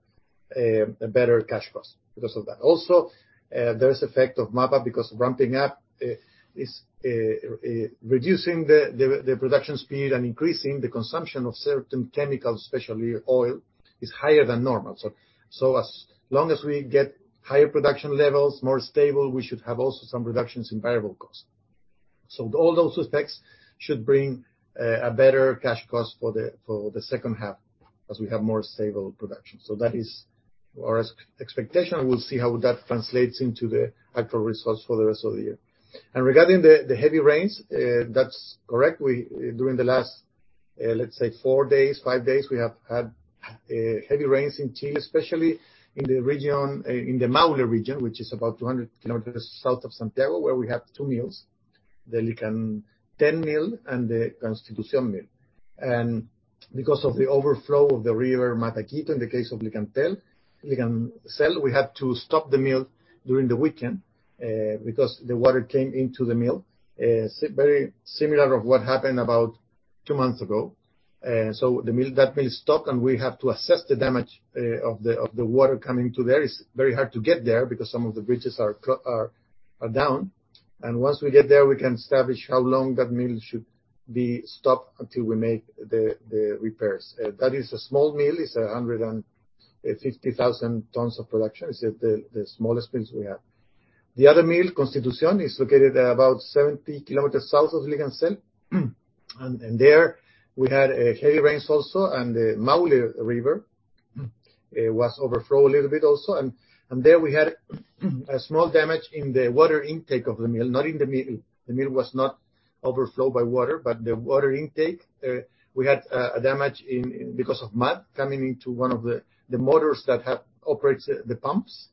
a better cash cost because of that. Also, there is effect of MAPA, because ramping up, is reducing the, the, the production speed and increasing the consumption of certain chemicals, especially oil, is higher than normal. As long as we get higher production levels, more stable, we should have also some reductions in variable costs. All those aspects should bring a better cash cost for the, for the second half, as we have more stable production. That is our expectation, and we'll see how that translates into the actual results for the rest of the year. Regarding the, the heavy rains, that's correct. During the last, let's say four days, five days, we have had heavy rains in Chile, especially in the region, in the Maule region, which is about 200 kilometers south of Santiago, where we have two mills, the Licantén mill and the Constitución mill. Because of the overflow of the river Mataquito, in the case of Licantén, we had to stop the mill during the weekend because the water came into the mill. Very similar of what happened about two months ago. The mill, that mill is stopped, and we have to assess the damage of the, of the water coming to there. It's very hard to get there, because some of the bridges are, are down, and once we get there, we can establish how long that mill should be stopped until we make the, the repairs. That is a small mill. It's 150,000 tons of production. It's the, the smallest mills we have. The other mill, Constitución, is located about 70 kilometers south of Licantén. There, we had heavy rains also, and the Maule River was overflow a little bit also. There we had a small damage in the water intake of the mill, not in the mill. The mill was not overflowed by water, but the water intake, we had a damage because of mud coming into one of the motors that operates the pumps.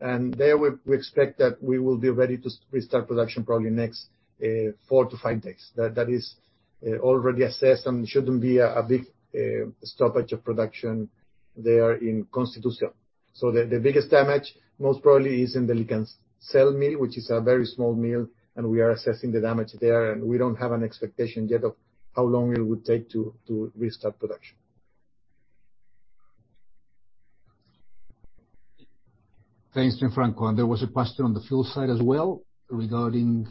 There, we, we expect that we will be ready to restart production probably next, four to five days. That, that is already assessed and shouldn't be a big stoppage of production there in Constitución. The, the biggest damage, most probably, is in the Licantén mill, which is a very small mill, and we are assessing the damage there, and we don't have an expectation yet of how long it would take to, to restart production. Thanks, Gianfranco. There was a question on the fuel side as well, regarding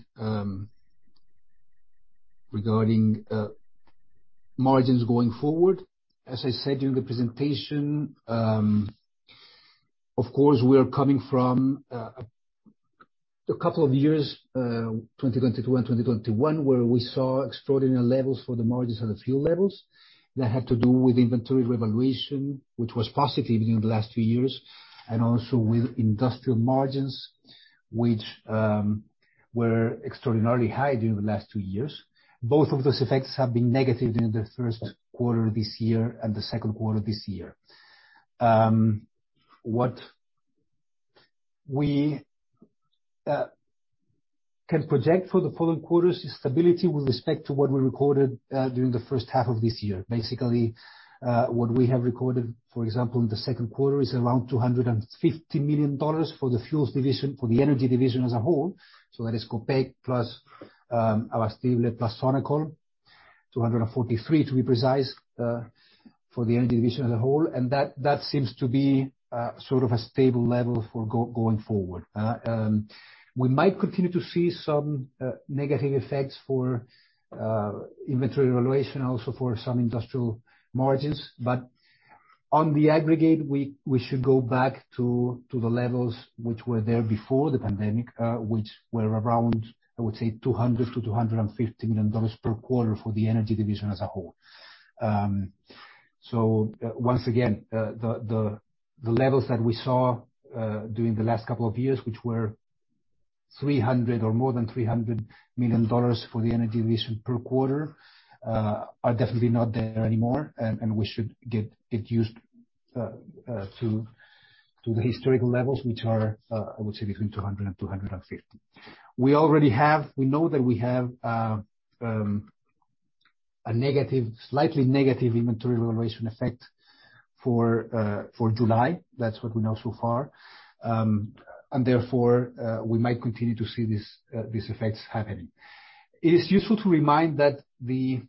margins going forward. As I said during the presentation, of course, we are coming from a couple of years, 2020 to 2021, where we saw extraordinary levels for the margins at the fuel levels. That had to do with inventory revaluation, which was positive during the last two years, and also with industrial margins, which were extraordinarily high during the last two years. Both of those effects have been negative during the first quarter this year and the second quarter this year. What we can project for the following quarters is stability with respect to what we recorded during the first half of this year. Basically, what we have recorded, for example, in the second quarter, is around $250 million for the fuels division, for the energy division as a whole. That is Copec plus, our steel plus Sonacol, $243, to be precise, for the energy division as a whole. That, that seems to be, sort of a stable level for going forward. We might continue to see some negative effects for inventory valuation, also for some industrial margins, but on the aggregate, we should go back to the levels which were there before the pandemic, which were around, I would say, $200 million-$250 million per quarter for the energy division as a whole. So, once again, the levels that we saw during the last couple of years, which were $300 million or more than $300 million for the energy division per quarter, are definitely not there anymore. We should get used to the historical levels, which are, I would say between $200 million and $250 million. We know that we have a negative, slightly negative inventory valuation effect for July. That's what we know so far. Therefore, we might continue to see these effects happening. It is useful to remind that the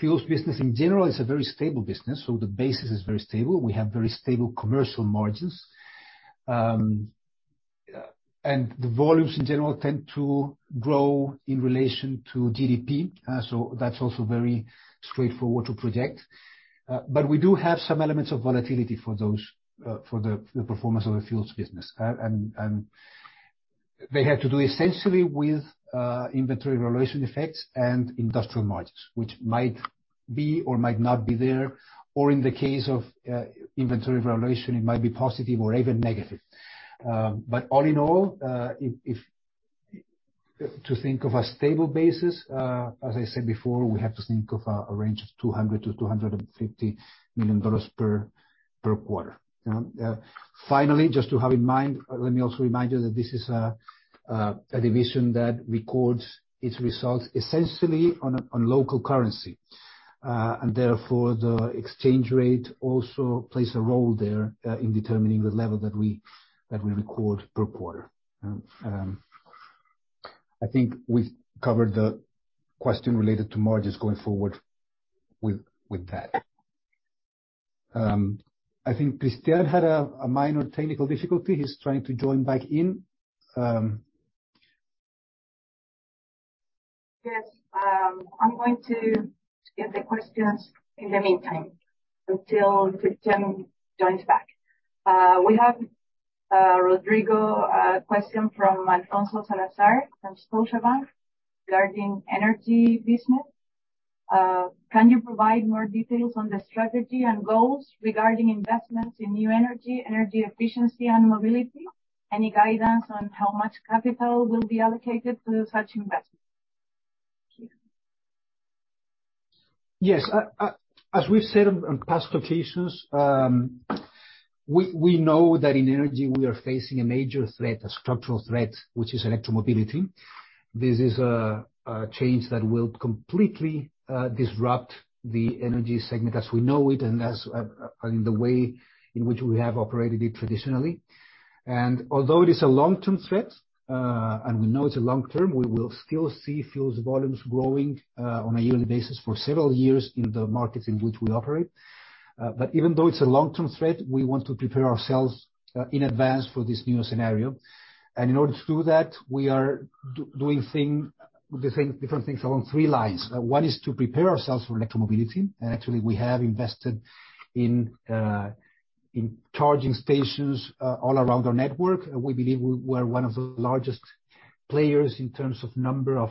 fuels business in general is a very stable business, so the basis is very stable. We have very stable commercial margins. The volumes in general tend to grow in relation to GDP, so that's also very straightforward to project. We do have some elements of volatility for those, for the performance of the fuels business. They had to do essentially with inventory valuation effects and industrial margins, which might be or might not be there, or in the case of inventory valuation, it might be positive or even negative. All in all, if, if, to think of a stable basis, as I said before, we have to think of a range of $200 million-$250 million per quarter. Finally, just to have in mind, let me also remind you that this is a division that records its results essentially on local currency. Therefore, the exchange rate also plays a role there in determining the level that we, that we record per quarter. I think we've covered the question related to margins going forward with, with that. I think Christian had a minor technical difficulty. He's trying to join back in. Yes, I'm going to get the questions in the meantime, until Christian joins back. We have Rodrigo, a question from Alfonso Salazar, from Scotiabank, regarding energy business. Can you provide more details on the strategy and goals regarding investments in new energy, energy efficiency, and mobility? Any guidance on how much capital will be allocated to such investments? Thank you. Yes, as we've said on, on past occasions, we, we know that in energy we are facing a major threat, a structural threat, which is electromobility. This is a change that will completely disrupt the energy segment as we know it, and as and the way in which we have operated it traditionally. Although it is a long-term threat, and we know it's a long term, we will still see fuels volumes growing on a yearly basis for several years in the markets in which we operate. Even though it's a long-term threat, we want to prepare ourselves in advance for this new scenario. In order to do that, we are doing different things along three lines. One is to prepare ourselves for electromobility. Actually, we have invested in charging stations all around our network. We believe we, we're one of the largest players in terms of number of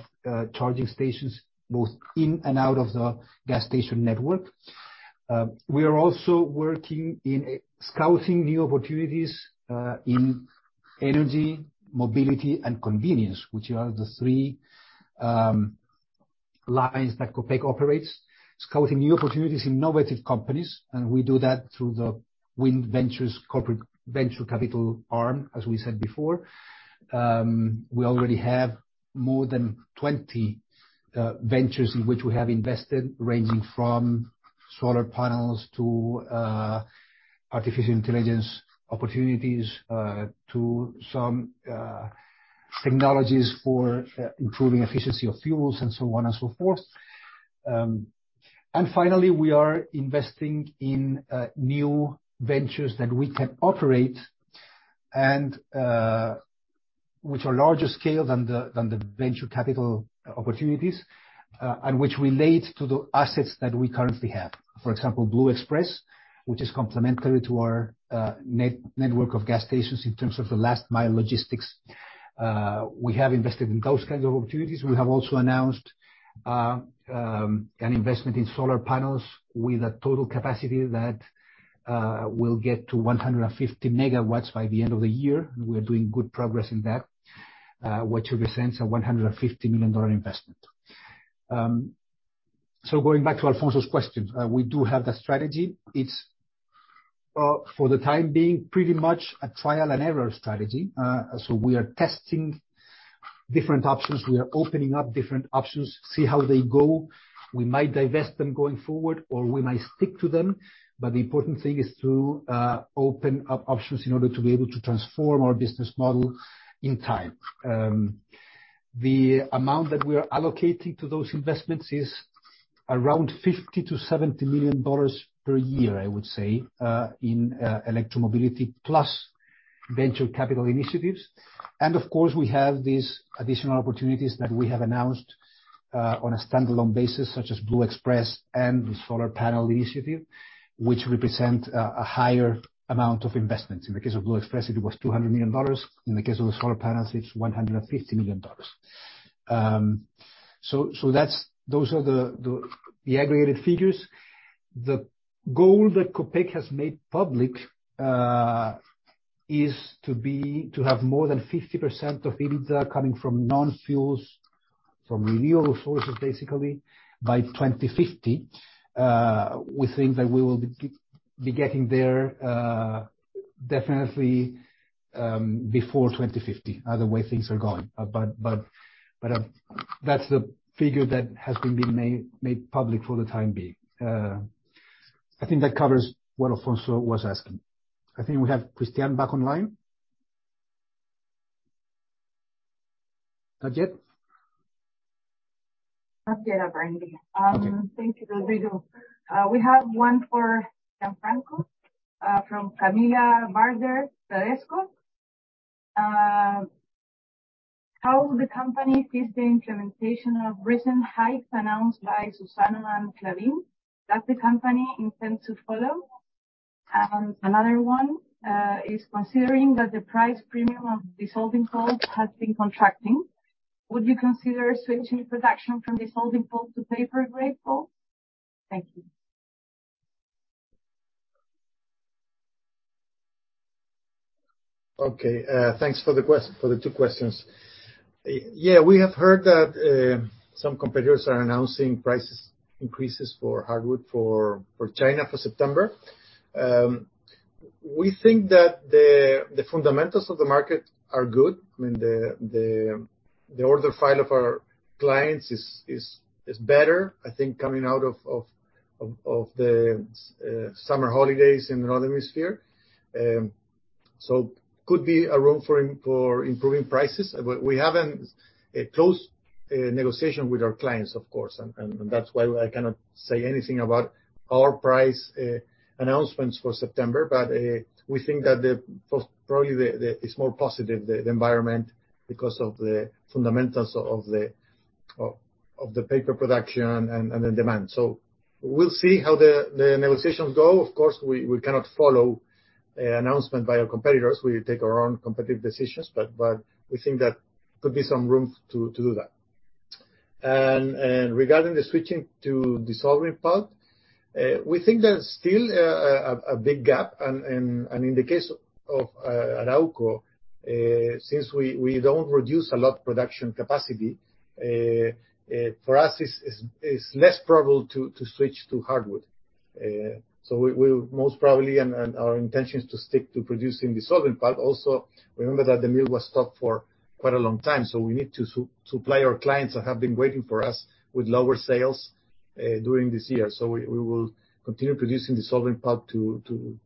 charging stations, both in and out of the gas station network. We are also working in scouting new opportunities in energy, mobility, and convenience, which are the three lines that Copec operates. Scouting new opportunities in innovative companies. We do that through the Wind Ventures corporate venture capital arm, as we said before. We already have more than 20 ventures in which we have invested, ranging from solar panels, to artificial intelligence opportunities, to some technologies for improving efficiency of fuels, and so on and so forth. Finally, we are investing in new ventures that we can operate, and which are larger scale than the venture capital opportunities, and which relate to the assets that we currently have. For example, Blue Express, which is complementary to our network of gas stations in terms of the last mile logistics. We have invested in those kinds of opportunities. We have also announced an investment in solar panels with a total capacity that will get to 150 MW by the end of the year, and we are doing good progress in that, which represents a $150 million investment. Going back to Alfonso Salazar's question, we do have that strategy. It's for the time being, pretty much a trial-and-error strategy. We are testing different options. We are opening up different options, see how they go. We might divest them going forward, or we may stick to them, but the important thing is to open up options in order to be able to transform our business model in time. The amount that we are allocating to those investments is around $50 million-$70 million per year, I would say, in electromobility, plus venture capital initiatives. Of course, we have these additional opportunities that we have announced on a standalone basis, such as Blue Express and the solar panel initiative, which represent a higher amount of investments. In the case of Blue Express, it was $200 million. In the case of the solar panels, it's $150 million. So, those are the aggregated figures. The goal that Copec has made public, is to have more than 50% of EBITDA coming from non-fuels, from renewable sources, basically, by 2050. We think that we will be getting there, definitely, before 2050, the way things are going. That's the figure that has been made public for the time being. I think that covers what Alfonso was asking. I think we have Christian back online. Not yet? Not yet, Randy. Thank you, Rodrigo. We have 1 for Gianfranco from Camilla Barder Bradesco. How will the company face the implementation of recent hikes announced by Suzano and Klabin? Does the company intend to follow? Another one is considering that the price premium of dissolving pulp has been contracting, would you consider switching production from dissolving pulp to papergrade pulp? Thank you. Okay, thanks for the two questions. Yeah, we have heard that some competitors are announcing prices increases for hardwood for China, for September. We think that the fundamentals of the market are good. I mean, the order file of our clients is better, I think, coming out of the summer holidays in the Northern Hemisphere. Could be a room for improving prices. We haven't a close negotiation with our clients, of course, and that's why I cannot say anything about our price announcements for September. We think that probably it's more positive, the environment, because of the fundamentals of the paper production and the demand. We'll see how the negotiations go. Of course, we, we cannot follow an announcement by our competitors. We take our own competitive decisions, but we think that could be some room to, to do that. Regarding the switching to dissolving pulp, we think there's still a, a, a big gap. In the case of Arauco, since we, we don't reduce a lot of production capacity, for us, it's, it's, it's less probable to, to switch to hardwood. We, we most probably and, and our intention is to stick to producing dissolving pulp. Also, remember that the mill was stopped for quite a long time, so we need to supply our clients that have been waiting for us with lower sales during this year. We, we will continue producing dissolving pulp to, to,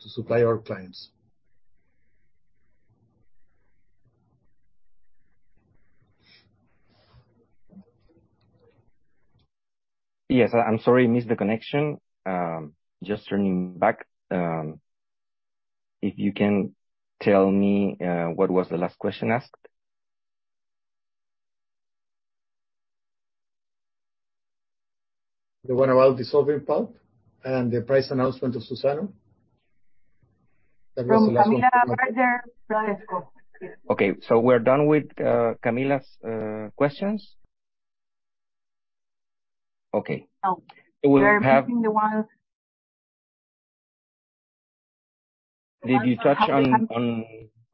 to supply our clients. Yes, I'm sorry, I missed the connection. Just turning back. If you can tell me, what was the last question asked? The one about dissolving pulp and the price announcement of Suzano. From Camila Calder. That was the last one. Yes. Okay, we're done with Camila's questions? Okay. No. We will have- Missing the one. Did you touch on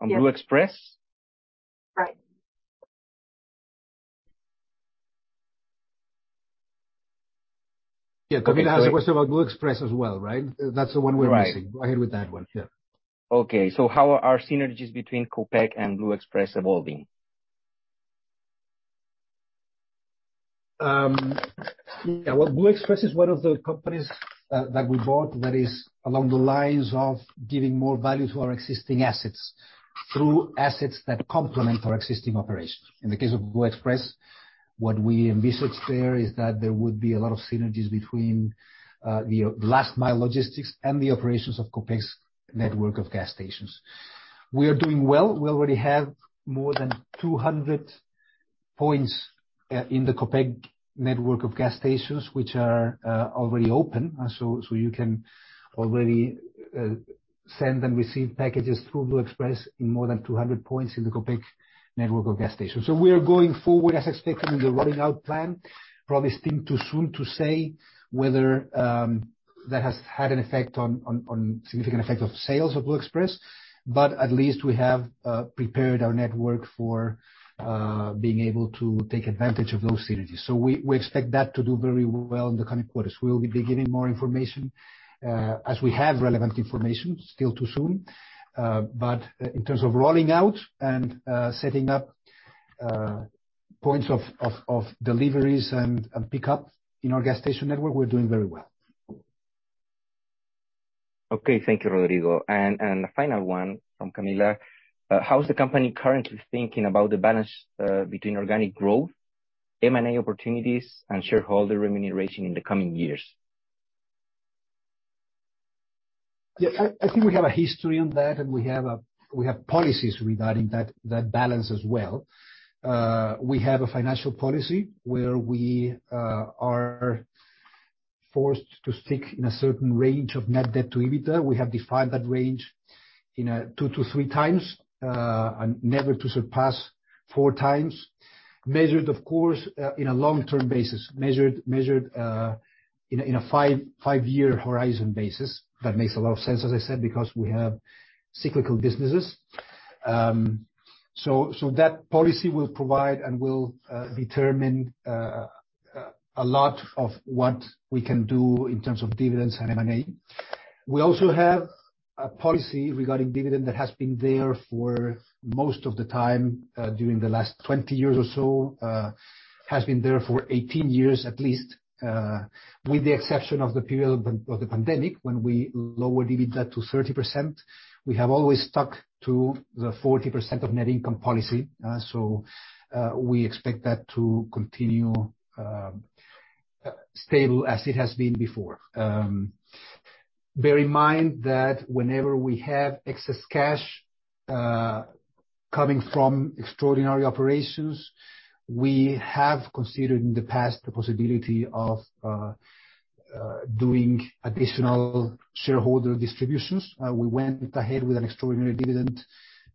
Blue Express? Right. Camila has a question about Blue Express as well, right? That's the one we're missing. Right. Go ahead with that one. Yeah. Okay. How are synergies between Copec and Blue Express evolving? Yeah, well, Blue Express is one of the companies that, that we bought that is along the lines of giving more value to our existing assets, through assets that complement our existing operations. In the case of Blue Express, what we envisaged there is that there would be a lot of synergies between the last mile logistics and the operations of Copec's network of gas stations. We are doing well. We already have more than 200 points in the Copec network of gas stations, which are already open. You can already send and receive packages through Blue Express in more than 200 points in the Copec network of gas stations. We are going forward as expected in the rolling out plan. Probably still too soon to say whether that has had an effect on significant effect of sales of Blue Express. At least we have prepared our network for being able to take advantage of those synergies. We expect that to do very well in the coming quarters. We will be giving more information as we have relevant information. Still too soon. In terms of rolling out and setting up points of deliveries and pickup in our gas station network, we're doing very well. Okay. Thank you, Rodrigo. The final one from Camila: how is the company currently thinking about the balance, between organic growth, M&A opportunities, and shareholder remuneration in the coming years? Yeah, I, I think we have a history on that, and we have a- we have policies regarding that, that balance as well. We have a financial policy where we are forced to stick in a certain range of net debt to EBITDA. We have defined that range in a 2x-3x, and never to surpass 4x. Measured, of course, in a long-term basis. Measured, measured, in a, in a five year horizon basis. That makes a lot of sense, as I said, because we have cyclical businesses. So, so that policy will provide and will determine a lot of what we can do in terms of dividends and M&A. We also have a policy regarding dividend that has been there for most of the time, during the last 20 years or so, has been there for 18 years at least, with the exception of the period of the pandemic, when we lowered EBITDA to 30%. We have always stuck to the 40% of net income policy. We expect that to continue stable as it has been before. Bear in mind that whenever we have excess cash coming from extraordinary operations. We have considered in the past, the possibility of doing additional shareholder distributions. We went ahead with an extraordinary dividend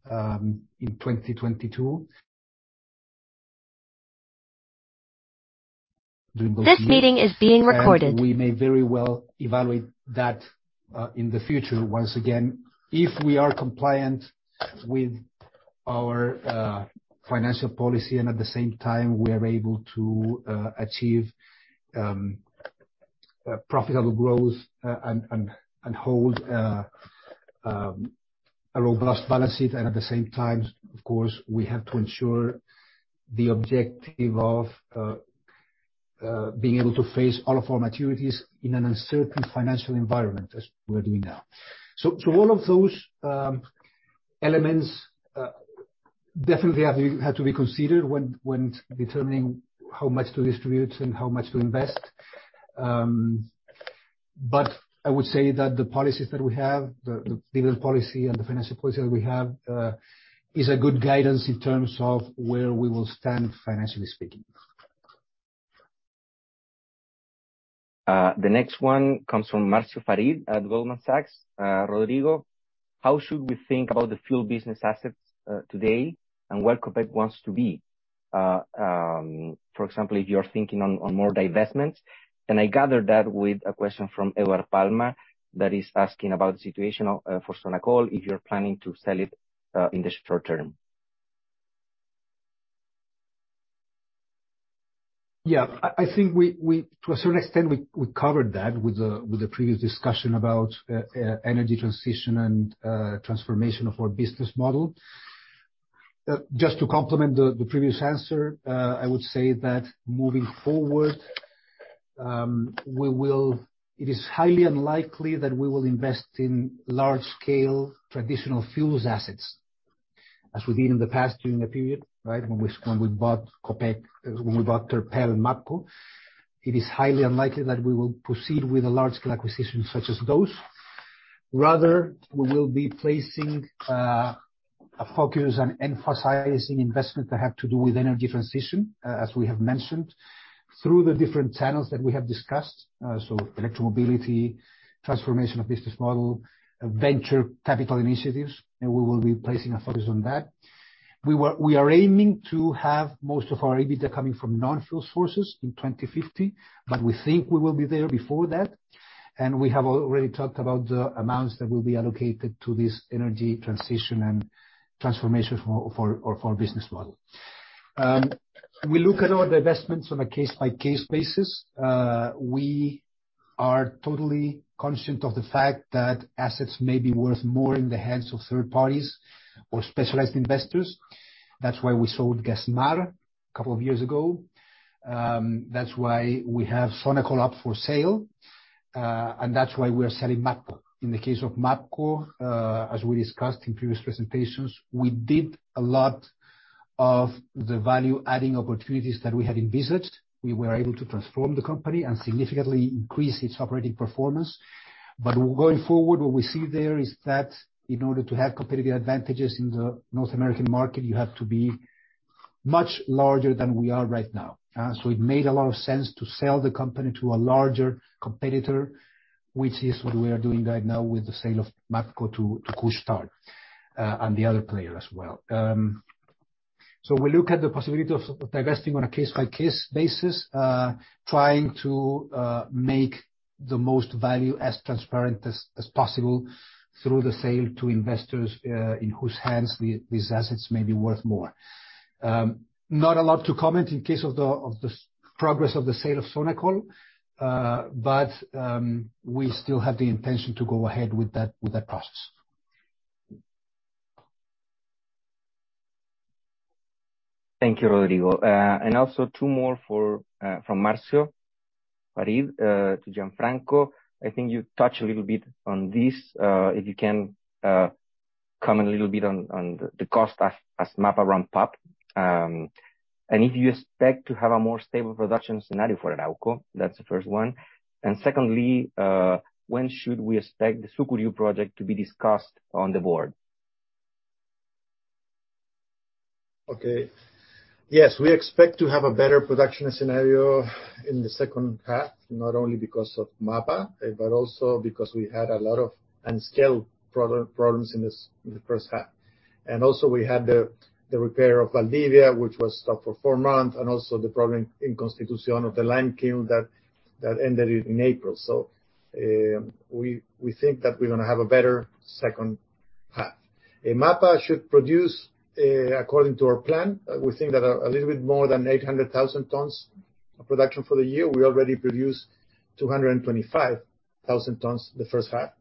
in 2022. This meeting is being recorded. We may very well evaluate that in the future once again, if we are compliant with our financial policy, and at the same time, we are able to achieve profitable growth, and and and hold a robust balance sheet. At the same time, of course, we have to ensure the objective of being able to face all of our maturities in an uncertain financial environment, as we're doing now. All of those elements definitely have to be considered when determining how much to distribute and how much to invest. I would say that the policies that we have, the, the dividend policy and the financial policy that we have, is a good guidance in terms of where we will stand, financially speaking. The next one comes from Marcio Farid at Goldman Sachs. Rodrigo, how should we think about the fuel business assets today, and where Copec wants to be? For example, if you're thinking on, on more divestments, and I gather that with a question from Edward Palmer, that is asking about thesituation of Sonacol, if you're planning to sell it in the short term. I think we, to a certain extent, we covered that with the previous discussion about energy transition and transformation of our business model. Just to complement the previous answer, I would say that moving forward, it is highly unlikely that we will invest in large-scale traditional fuels assets, as we did in the past, during the period, right. When we, when we bought Copec, when we bought Terpel and MAPCO. It is highly unlikely that we will proceed with a large-scale acquisition such as those. Rather, we will be placing a focus on emphasizing investments that have to do with energy transition, as we have mentioned, through the different channels that we have discussed. Electromobility, transformation of business model, venture capital initiatives, we will be placing a focus on that. We are aiming to have most of our EBITDA coming from non-fuel sources in 2050, we think we will be there before that. We have already talked about the amounts that will be allocated to this energy transition and transformation of our business model. We look at all the investments on a case-by-case basis. We are totally conscious of the fact that assets may be worth more in the hands of third parties or specialized investors. That's why we sold Gas Natural a couple of years ago. That's why we have Sonacol up for sale, that's why we are selling MAPCO. In the case of MAPCO, as we discussed in previous presentations, we did a lot of the value-adding opportunities that we had envisaged. We were able to transform the company and significantly increase its operating performance. Going forward, what we see there is that in order to have competitive advantages in the North American market, you have to be much larger than we are right now. It made a lot of sense to sell the company to a larger competitor, which is what we are doing right now with the sale of MAPCO to, to Couche-Tard, and the other player as well. We look at the possibility of, of divesting on a case-by-case basis, trying to make the most value as transparent as possible through the sale to investors, in whose hands these assets may be worth more. Not a lot to comment in case of the progress of the sale of Sonacol, but we still have the intention to go ahead with that, with that process. Thank you, Rodrigo. Also two more for from Marcio Farid to Gianfranco. I think you touched a little bit on this, if you can comment a little bit on, on the, the cost as, as MAPA ramp up. If you expect to have a more stable production scenario for Arauco, that's the first one. Secondly, when should we expect the Sucuriú Project to be discussed on the board? Okay. Yes, we expect to have a better production scenario in the second half, not only because of MAPA, but also because we had a lot of unscheduled production problems in this, the first half. Also we had the repair of Valdivia, which was stopped for four months, and also the problem in Constitución of the lime kiln that ended in April. We think that we're going to have a better second half. MAPA should produce according to our plan, we think that a little bit more than 800,000 tons of production for the year. We already produced 225,000 tons the first half.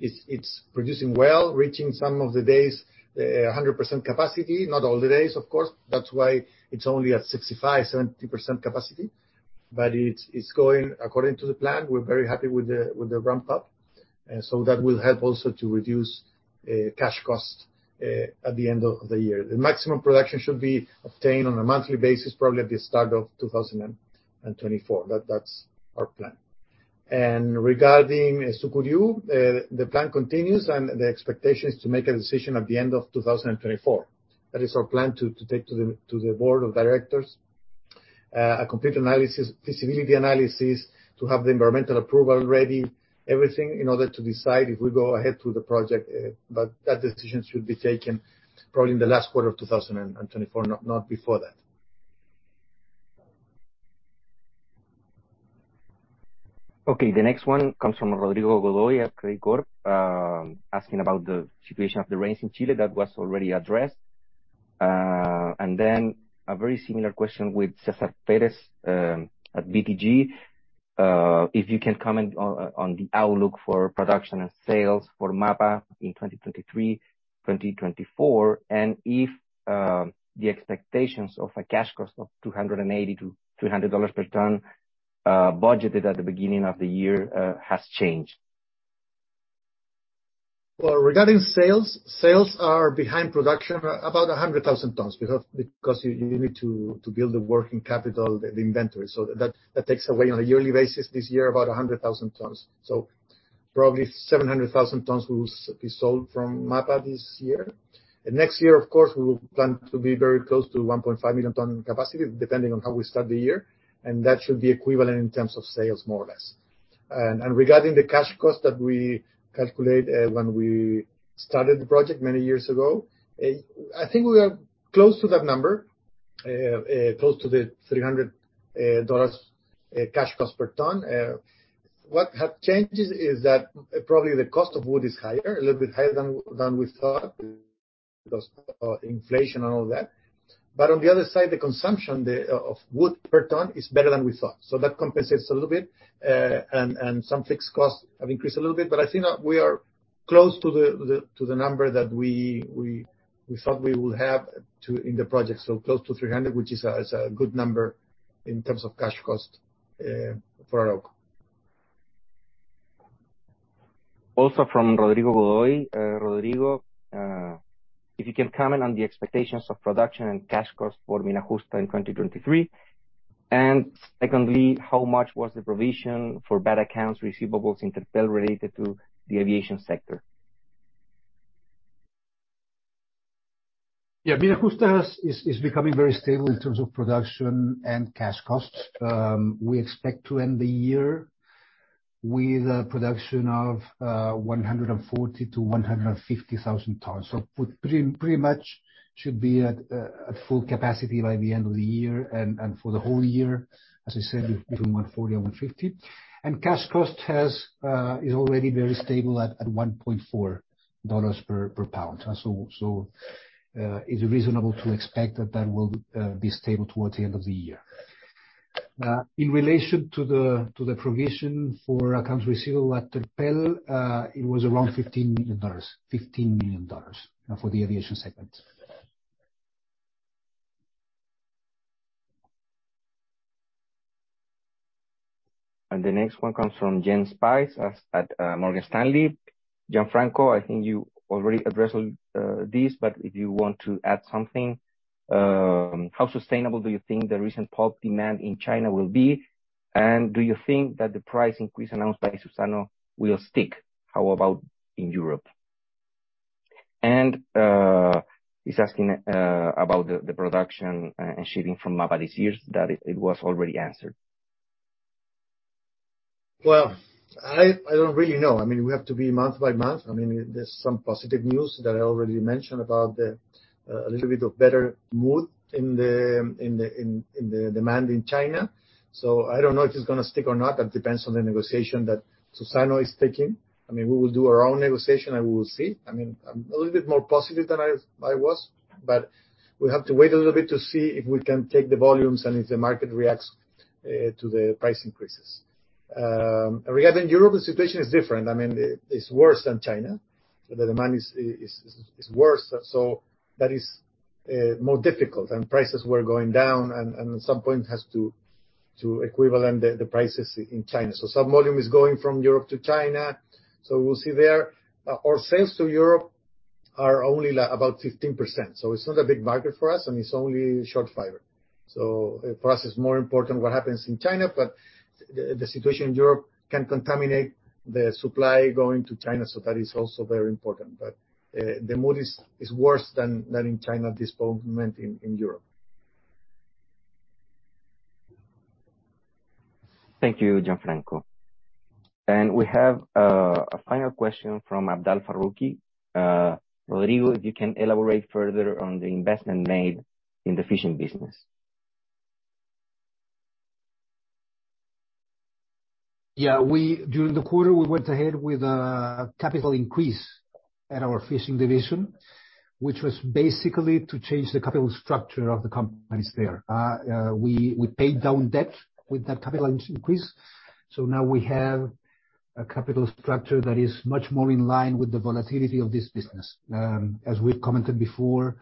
It's producing well, reaching some of the days, 100% capacity. Not all the days, of course. That's why it's only at 65%-70% capacity, but it's, it's going according to the plan. We're very happy with the, with the ramp up, so that will help also to reduce, cash costs, at the end of the year. The maximum production should be obtained on a monthly basis, probably at the start of 2024. That, that's our plan. Regarding Sucuriú, the plan continues, and the expectation is to make a decision at the end of 2024. That is our plan, to, to take to the, to the board of directors, a complete analysis, feasibility analysis, to have the environmental approval ready, everything, in order to decide if we go ahead with the project. That decision should be taken probably in the last quarter of 2024, not, not before that. Okay, the next one comes from Rodrigo Godoy at Credicorp, asking about the situation of the rains in Chile. That was already addressed. Then a very similar question with César Pérez-Novoa at BTG. If you can comment on, on, on the outlook for production and sales for Mapa in 2023, 2024, and if the expectations of a cash cost of $280-$200 per ton, budgeted at the beginning of the year, has changed? Well, regarding sales, sales are behind production by about 100,000 tons, because you need to build the working capital, the inventory. That takes away, on a yearly basis this year, about 100,000 tons. Probably 700,000 tons will be sold from MAPA this year. Next year, of course, we will plan to be very close to 1.5 million ton capacity, depending on how we start the year, and that should be equivalent in terms of sales, more or less. Regarding the cash cost that we calculate, when we started the project many years ago, I think we are close to that number, close to the $300 cash cost per ton. What have changed is that probably the cost of wood is higher, a little bit higher than we thought, because of inflation and all that. On the other side, consumption of wood per ton is better than we thought, so that compensates a little bit. Some fixed costs have increased a little bit, but I think that we are close to the number that we thought we would have to in the project. Close to $300, which is a good number in terms of cash cost for Arauco. From Rodrigo Godoy. Rodrigo, if you can comment on the expectations of production and cash costs for Mina Justa in 2023. Secondly, how much was the provision for bad accounts receivables in Terpel related to the aviation sector? Yeah, Mina Justa is becoming very stable in terms of production and cash costs. We expect to end the year with a production of 140,000-150,000 tons. Pretty much should be at full capacity by the end of the year. For the whole year, as I said, between 140 and 150. Cash cost has is already very stable at $1.4 per pound. It's reasonable to expect that that will be stable towards the end of the year. In relation to the provision for accounts receivable at Terpel, it was around $15 million. $15 million for the aviation segment. The next one comes from Jens Spiess at Morgan Stanley. Gianfranco, I think you already addressed this, but if you want to add something, how sustainable do you think the recent pulp demand in China will be? Do you think that the price increase announced by Suzano will stick? How about in Europe? He's asking about the production and shipping from MAPA this year. That, it was already answered. Well, I, I don't really know. I mean, we have to be month by month. I mean, there's some positive news that I already mentioned about the, a little bit of better mood in the, in the, in, in the demand in China. I don't know if it's going to stick or not. That depends on the negotiation that Suzano is taking. I mean, we will do our own negotiation, and we will see. I mean, I'm a little bit more positive than I, I was, but we have to wait a little bit to see if we can take the volumes and if the market reacts to the price increases. Regarding Europe, the situation is different. I mean, it, it's worse than China. The demand is, is, is, is worse, so that is more difficult. Prices were going down, and at some point has to, to equivalent the prices in China. Some volume is going from Europe to China, so we'll see there. Our sales to Europe are only about 15%, so it's not a big market for us, and it's only short fiber. For us, it's more important what happens in China, but the situation in Europe can contaminate the supply going to China, so that is also very important. The mood is worse than in China at this moment in Europe. Thank you, Gianfranco. We have a final question from Abdul Farooqi. Rodrigo, if you can elaborate further on the investment made in the fishing business. Yeah, we During the quarter, we went ahead with a capital increase at our fishing division, which was basically to change the capital structure of the companies there. We paid down debt with that capital increase, so now we have a capital structure that is much more in line with the volatility of this business. As we've commented before,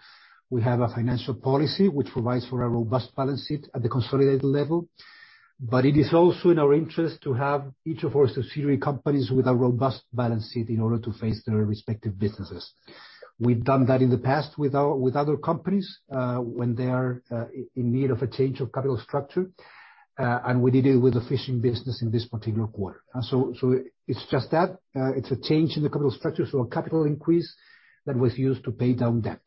we have a financial policy which provides for a robust balance sheet at the consolidated level, but it is also in our interest to have each of our subsidiary companies with a robust balance sheet in order to face their respective businesses. We've done that in the past with our, with other companies, when they are in need of a change of capital structure, and we did it with the fishing business in this particular quarter. It's just that, it's a change in the capital structure, so a capital increase that was used to pay down debt.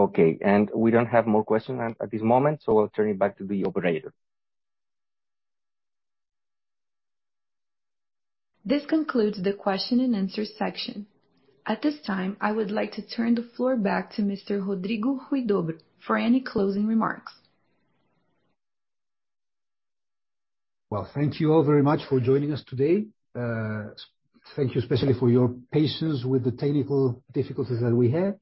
Okay, and we don't have more questions at this moment, so I'll turn it back to the operator. This concludes the question and answer section. At this time, I would like to turn the floor back to Mr. Rodrigo Huidobro for any closing remarks. Well, thank you all very much for joining us today. Thank you especially for your patience with the technical difficulties that we had.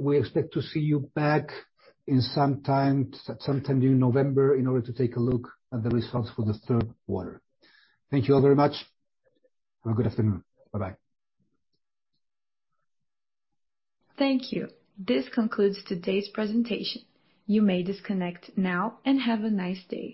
We expect to see you back in sometime, sometime during November, in order to take a look at the results for the third quarter. Thank you all very much, and good afternoon. Bye-bye. Thank you. This concludes today's presentation. You may disconnect now, and have a nice day.